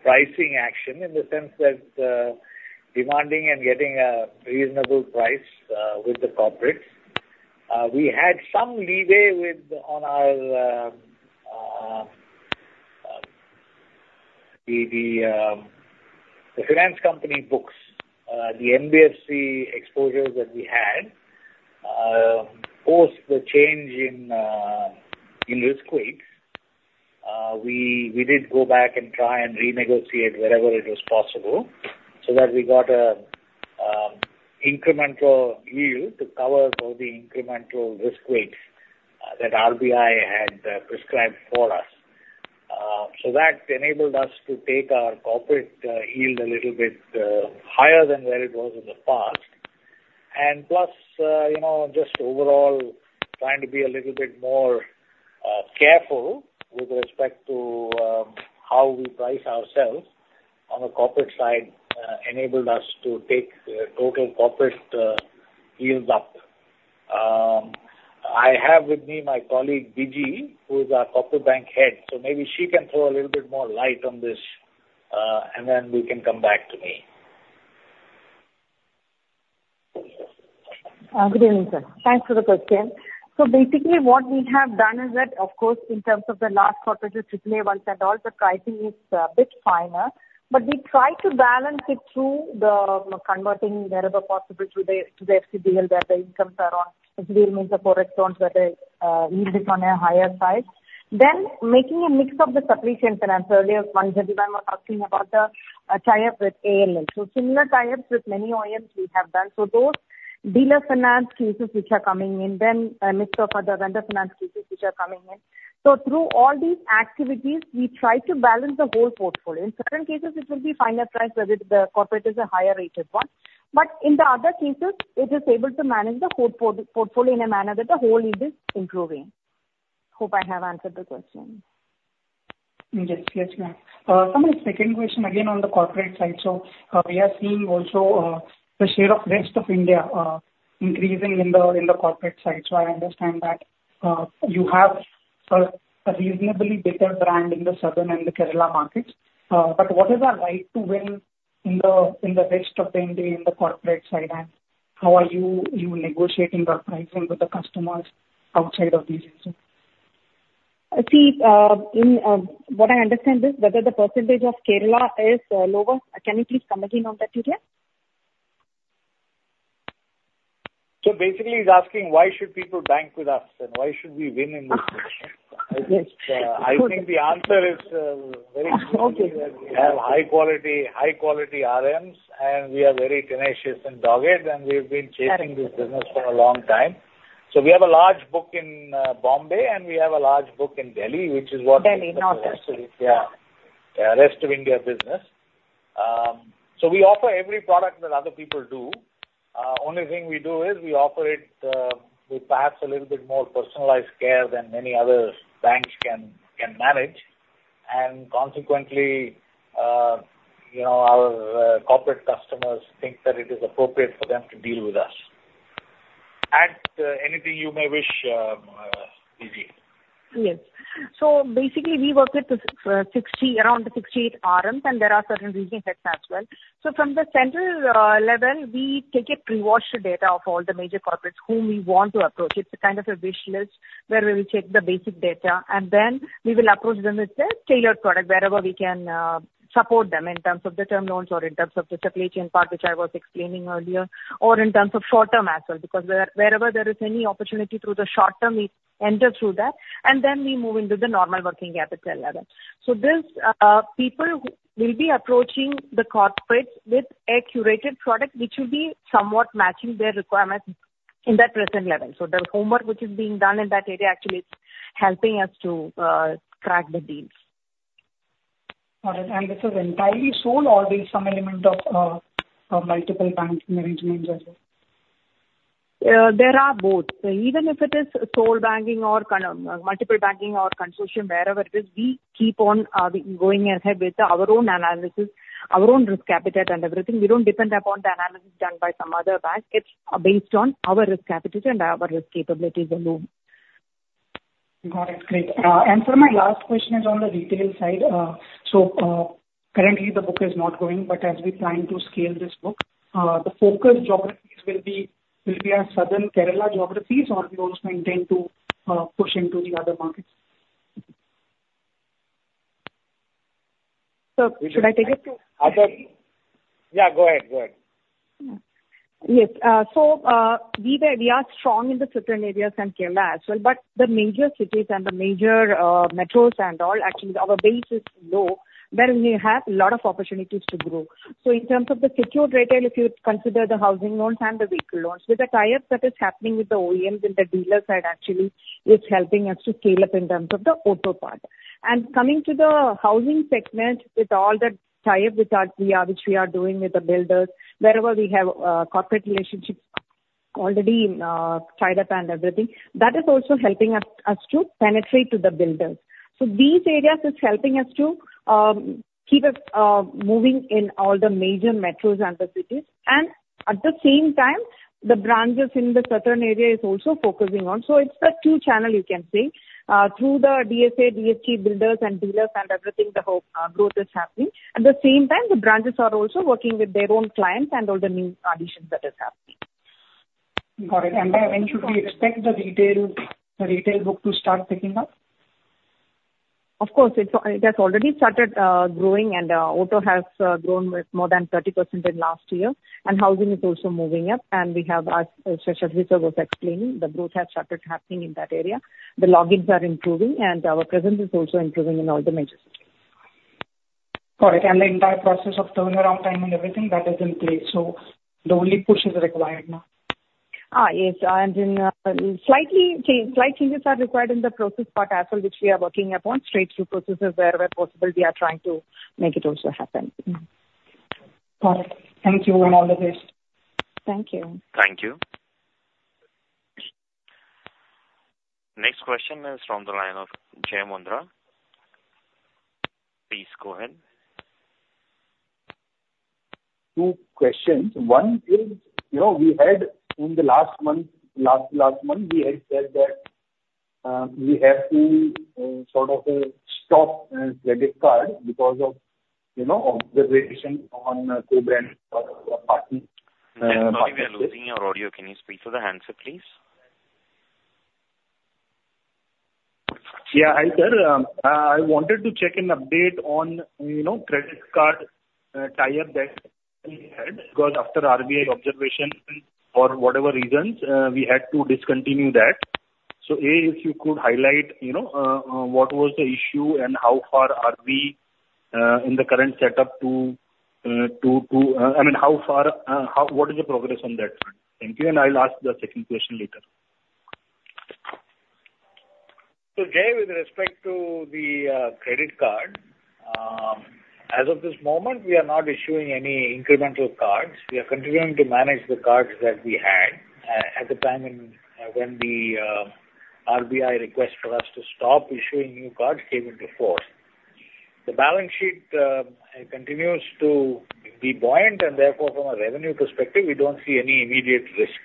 pricing action in the sense that demanding and getting a reasonable price with the corporates. We had some leeway with on our the finance company books. The NBFC exposures that we had post the change in risk weight we did go back and try and renegotiate wherever it was possible, so that we got a incremental yield to cover for the incremental risk weight that RBI had prescribed for us. So that enabled us to take our corporate yield a little bit higher than where it was in the past. Plus, you know, just overall trying to be a little bit more careful with respect to how we price ourselves on the corporate side enabled us to take the total corporate yields up. I have with me my colleague, Biji, who is our Corporate Bank Head, so maybe she can throw a little bit more light on this, and then we can come back to me. Good evening, sir. Thanks for the question. So basically, what we have done is that, of course, in terms of the large corporate AAA ones and all, the pricing is a bit finer, but we try to balance it through the, you know, converting wherever possible to the, to the WCDL, where the incomes are on, WCDL means the core loans where the yield is on a higher side. Then, making a mix of the supply chain finance. Earlier, Manjusha-ji, I was asking about the tie-up with Ashok Leyland. So similar tie-ups with many OEMs we have done. So those dealer finance cases which are coming in, then a mix of other vendor finance cases which are coming in. So through all these activities, we try to balance the whole portfolio. In certain cases, it will be finer price, whether the corporate is a higher rated one. But in the other cases, it is able to manage the whole portfolio in a manner that the whole yield is improving. Hope I have answered the question. Yes. Yes, ma'am. So my second question, again, on the corporate side. So, we are seeing also, the share of rest of India, increasing in the, in the corporate side. So I understand that, you have a, a reasonably better brand in the southern and the Kerala markets, but what is our right to win in the, in the rest of the India, in the corporate side, and how are you, you negotiating the pricing with the customers outside of these areas? See, in what I understand is whether the percentage of Kerala is lower. Can you please come again on that detail? Basically he's asking why should people bank with us, and why should we win in this situation? Yes. I think the answer is, very simple. Okay. We have high quality, high quality RMs, and we are very tenacious and dogged, and we've been chasing- Correct. this business for a long time. So we have a large book in Bombay, and we have a large book in Delhi, which is what- Delhi, North. Yeah. Yeah, rest of India business. So we offer every product that other people do. Only thing we do is we offer it with perhaps a little bit more personalized care than many other banks can manage. And consequently, you know, our corporate customers think that it is appropriate for them to deal with us. Add anything you may wish, Biji. Yes. So basically we work with, 60, around 68 RMs, and there are certain regional heads as well. So from the central, level, we take a pre-washed data of all the major corporates whom we want to approach. It's a kind of a wish list where we will check the basic data, and then we will approach them with a tailored product wherever we can, support them in terms of the term loans or in terms of the supply chain part, which I was explaining earlier, or in terms of short-term as well, because where, wherever there is any opportunity through the short-term, we enter through that, and then we move into the normal working capital level. So there's, people who will be approaching the corporates with a curated product, which will be somewhat matching their requirements in that present level. The homework which is being done in that area actually is helping us to crack the deals.... Got it, and this is entirely sold or there is some element of multiple banks in the arrangement as well? There are both. Even if it is sole banking or kind of, multiple banking or consortium, wherever it is, we keep on going ahead with our own analysis, our own risk appetite and everything. We don't depend upon the analysis done by some other bank. It's based on our risk appetite and our risk capabilities alone. Got it. Great. My last question is on the retail side. Currently, the book is not growing, but as we plan to scale this book, the focus geographies will be, will be at Southern Kerala geographies, or we also intend to push into the other markets? Should I take it? Yeah, go ahead. Go ahead. Yes. So, we were, we are strong in the southern areas and Kerala as well, but the major cities and the major metros and all, actually, our base is low, where we have a lot of opportunities to grow. So in terms of the secured retail, if you consider the housing loans and the vehicle loans, with the tie-ups that is happening with the OEMs and the dealer side actually, is helping us to scale up in terms of the auto part. And coming to the housing segment, with all the tie-up which are, we are, which we are doing with the builders, wherever we have corporate relationships already tied up and everything, that is also helping us to penetrate to the builders. So these areas is helping us to keep us moving in all the major metros and the cities, and at the same time, the branches in the southern area is also focusing on. So it's a two channel, you can say. Through the DSA, DST, builders and dealers and everything, the whole growth is happening. At the same time, the branches are also working with their own clients and all the new additions that is happening. Got it. And when should we expect the retail, the retail book to start picking up? Of course, it's, it has already started growing, and auto has grown with more than 30% in last year, and housing is also moving up, and we have, as Seshadri Sir was explaining, the growth has started happening in that area. The logins are improving and our presence is also improving in all the major cities. Got it. The entire process of turnaround time and everything, that is in place, so the only push is required now? Yes, and then slight changes are required in the process part as well, which we are working upon, straight through processes where possible, we are trying to make it also happen. Got it. Thank you, and all the best. Thank you. Thank you. Next question is from the line of Jai Mundhra. Please go ahead. Two questions. One is, you know, we had in the last month, last month, we had said that, we have to sort of stop credit card because of, you know, observation on co-brand partner- Sorry, we are losing your audio. Can you speak to the handset, please? Yeah, hi, sir. I wanted to check an update on, you know, credit card tie-up that we had, because after RBI observation for whatever reasons, we had to discontinue that. So, A, if you could highlight, you know, what was the issue and how far are we in the current setup to... I mean, how far, how, what is the progress on that front? Thank you, and I'll ask the second question later. So, Jai, with respect to the credit card, as of this moment, we are not issuing any incremental cards. We are continuing to manage the cards that we had at the time when the RBI request for us to stop issuing new cards came into force. The balance sheet continues to be buoyant, and therefore, from a revenue perspective, we don't see any immediate risk.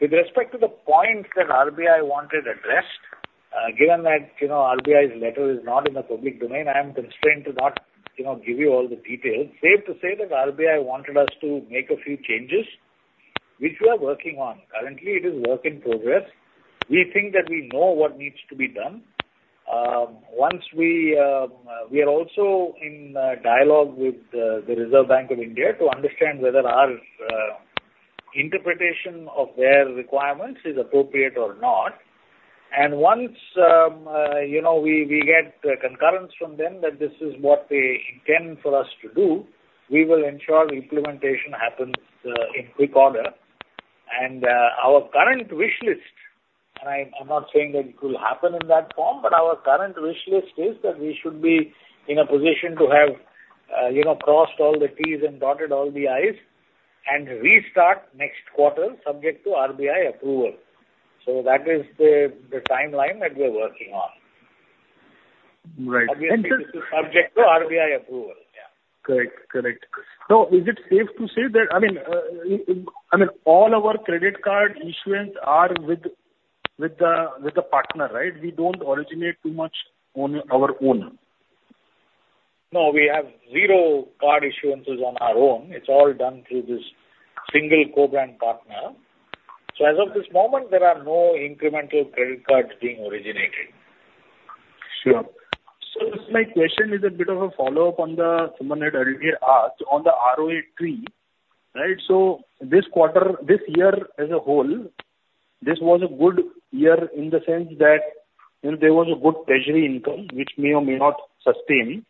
With respect to the points that RBI wanted addressed, given that, you know, RBI's letter is not in the public domain, I am constrained to not, you know, give you all the details. Safe to say that RBI wanted us to make a few changes, which we are working on. Currently, it is work in progress. We think that we know what needs to be done. Once we are also in dialogue with the Reserve Bank of India to understand whether our interpretation of their requirements is appropriate or not. And once, you know, we get concurrence from them that this is what they intend for us to do, we will ensure implementation happens in quick order. And our current wish list, and I'm not saying that it will happen in that form, but our current wish list is that we should be in a position to have, you know, crossed all the T's and dotted all the I's, and restart next quarter, subject to RBI approval. So that is the timeline that we're working on. Right. Subject to RBI approval. Yeah. Correct. Correct. So is it safe to say that, I mean, all our credit card issuance are with the partner, right? We don't originate too much on our own. No, we have zero card issuances on our own. It's all done through this single co-brand partner. As of this moment, there are no incremental credit cards being originated. Sure. So my question is a bit of a follow-up on the, somewhere earlier asked, on the ROE tree, right? So this quarter, this year as a whole, this was a good year in the sense that, you know, there was a good treasury income, which may or may not sustain.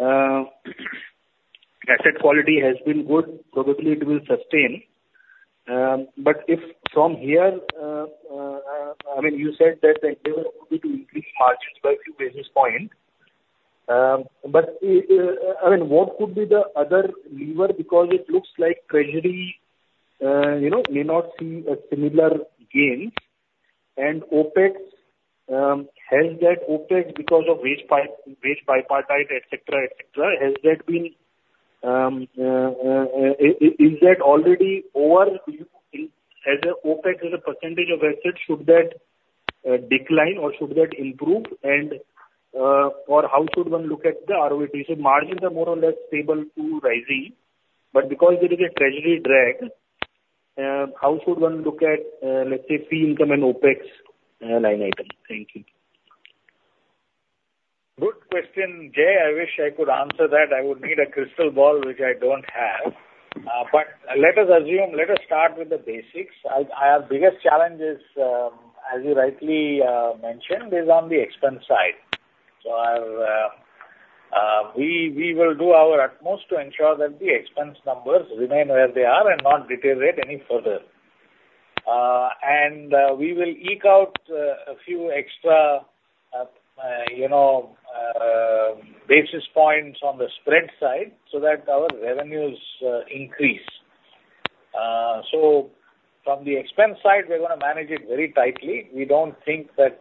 Asset quality has been good, probably it will sustain. But if from here, I mean, you said that the endeavor will be to increase margins by a few basis points. But, I mean, what could be the other lever? Because it looks like treasury, you know, may not see a similar gain, and OpEx, has that OpEx because of wage bipartite, et cetera, et cetera, has that been, is that already over? As OpEx as a percentage of assets, should that decline or should that improve? And, or how should one look at the ROE? So margins are more or less stable to rising, but because there is a treasury drag, how should one look at, let's say, fee income and OpEx line item? Thank you. Good question, Jai. I wish I could answer that. I would need a crystal ball, which I don't have. But let us assume, let us start with the basics. I, our biggest challenge is, as you rightly mentioned, is on the expense side. So I'll, we, we will do our utmost to ensure that the expense numbers remain where they are and not deteriorate any further. And, we will eke out, a few extra, you know, basis points on the spread side so that our revenues increase. So from the expense side, we're gonna manage it very tightly. We don't think that,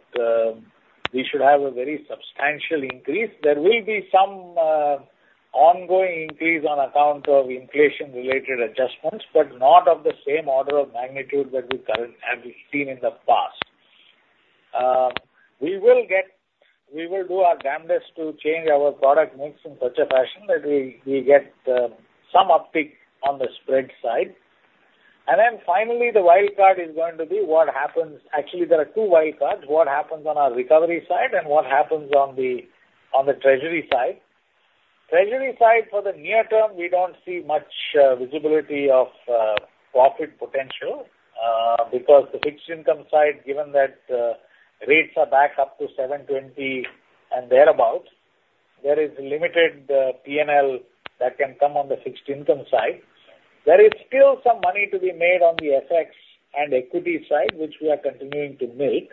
we should have a very substantial increase. There will be some, ongoing increase on account of inflation-related adjustments, but not of the same order of magnitude that we current... have seen in the past. We will get, we will do our damnedest to change our product mix in such a fashion that we, we get, some uptick on the spread side. And then finally, the wild card is going to be what happens... Actually, there are two wild cards, what happens on our recovery side and what happens on the, on the treasury side. Treasury side, for the near term, we don't see much, visibility of, profit potential, because the fixed income side, given that, rates are back up to 7.20 and thereabout, there is limited, P&L that can come on the fixed income side. There is still some money to be made on the FX and equity side, which we are continuing to make,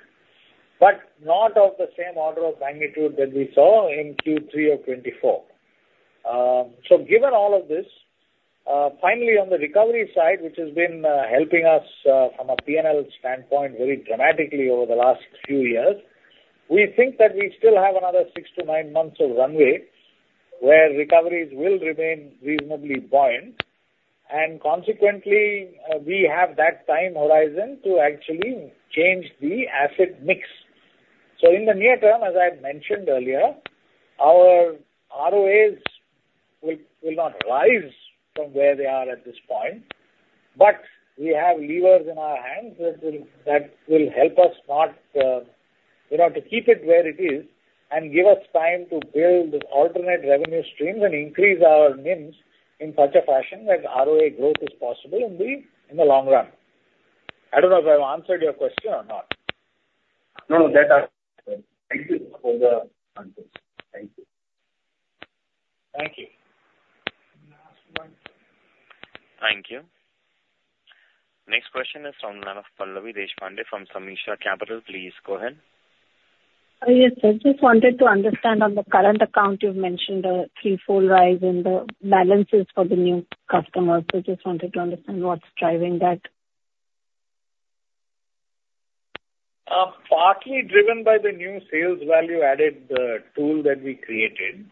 but not of the same order of magnitude that we saw in Q3 of 2024. So given all of this, finally, on the recovery side, which has been helping us from a P&L standpoint, very dramatically over the last few years, we think that we still have another six to nine months of runway, where recoveries will remain reasonably buoyant, and consequently, we have that time horizon to actually change the asset mix. So in the near term, as I mentioned earlier, our ROAs will not rise from where they are at this point, but we have levers in our hands that will help us not, you know, to keep it where it is and give us time to build alternate revenue streams and increase our NIMs in such a fashion that ROA growth is possible in the long run. I don't know if I've answered your question or not. No, that answered. Thank you for the answers. Thank you. Thank you. Thank you. Next question is from Pallavi Deshpande from Sameeksha Capital. Please go ahead. Yes, sir. Just wanted to understand on the current account, you've mentioned a threefold rise in the balances for the new customers. So just wanted to understand what's driving that? Partly driven by the new sales value-added tool that we created,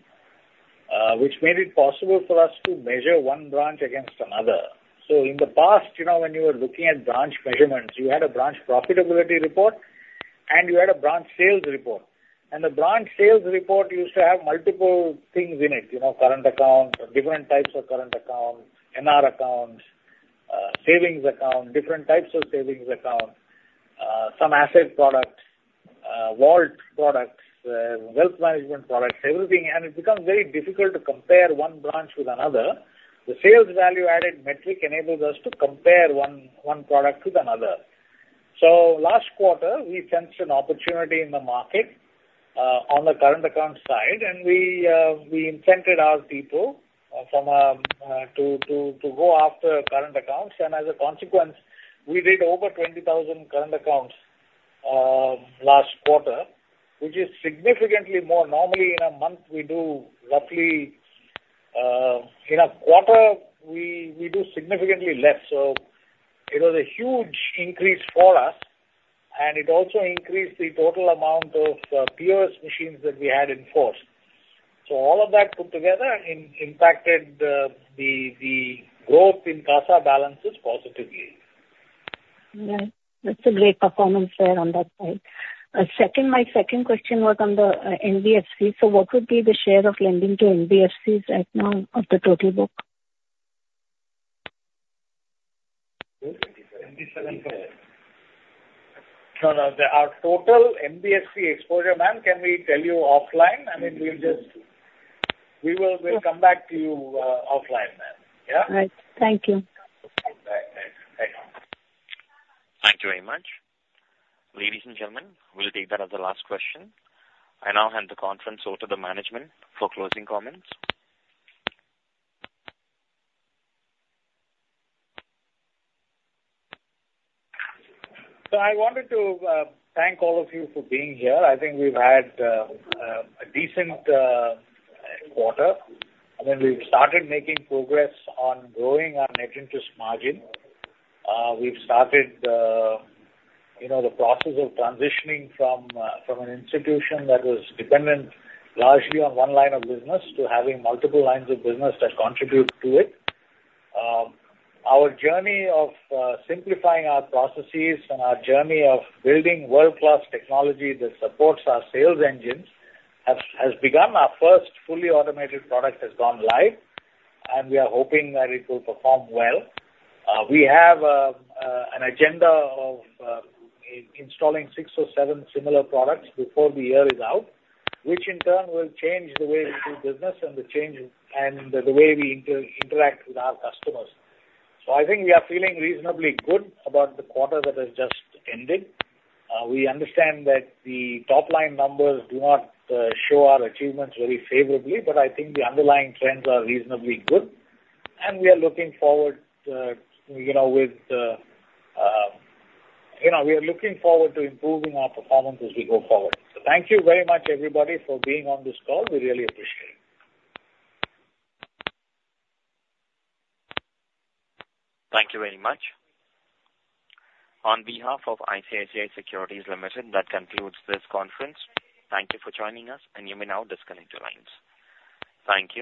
which made it possible for us to measure one branch against another. So in the past, you know, when you were looking at branch measurements, you had a branch profitability report, and you had a branch sales report. And the branch sales report used to have multiple things in it, you know, current accounts, different types of current accounts, NR accounts, savings accounts, different types of savings accounts, some asset products, vault products, wealth management products, everything. And it becomes very difficult to compare one branch with another. The sales value-added metric enables us to compare one, one product with another. So last quarter, we sensed an opportunity in the market on the current account side, and we incented our people to go after current accounts. And as a consequence, we did over 20,000 current accounts last quarter, which is significantly more. Normally, in a quarter, we do significantly less. So it was a huge increase for us, and it also increased the total amount of POS machines that we had in force. So all of that put together, impacted the growth in CASA balances positively. Right. That's a great performance there on that side. Second, my second question was on the, NBFC. So what would be the share of lending to NBFCs right now of the total book? No, no. Our total NBFC exposure, ma'am, can we tell you offline? I mean, we'll just... We will, we'll come back to you offline, ma'am. Yeah? Right. Thank you. Okay. Bye. Thanks. Thank you very much. Ladies and gentlemen, we'll take that as the last question. I now hand the conference over to the management for closing comments. So I wanted to thank all of you for being here. I think we've had a decent quarter. I mean, we've started making progress on growing our net interest margin. We've started, you know, the process of transitioning from an institution that was dependent largely on one line of business to having multiple lines of business that contribute to it. Our journey of simplifying our processes and our journey of building world-class technology that supports our sales engines has begun. Our first fully automated product has gone live, and we are hoping that it will perform well. We have an agenda of installing six or seven similar products before the year is out, which in turn will change the way we do business and the way we interact with our customers. So I think we are feeling reasonably good about the quarter that has just ended. We understand that the top-line numbers do not show our achievements very favorably, but I think the underlying trends are reasonably good, and we are looking forward, you know, with, you know, we are looking forward to improving our performance as we go forward. So thank you very much, everybody, for being on this call. We really appreciate it. Thank you very much. On behalf of ICICI Securities Limited, that concludes this conference. Thank you for joining us, and you may now disconnect your lines. Thank you.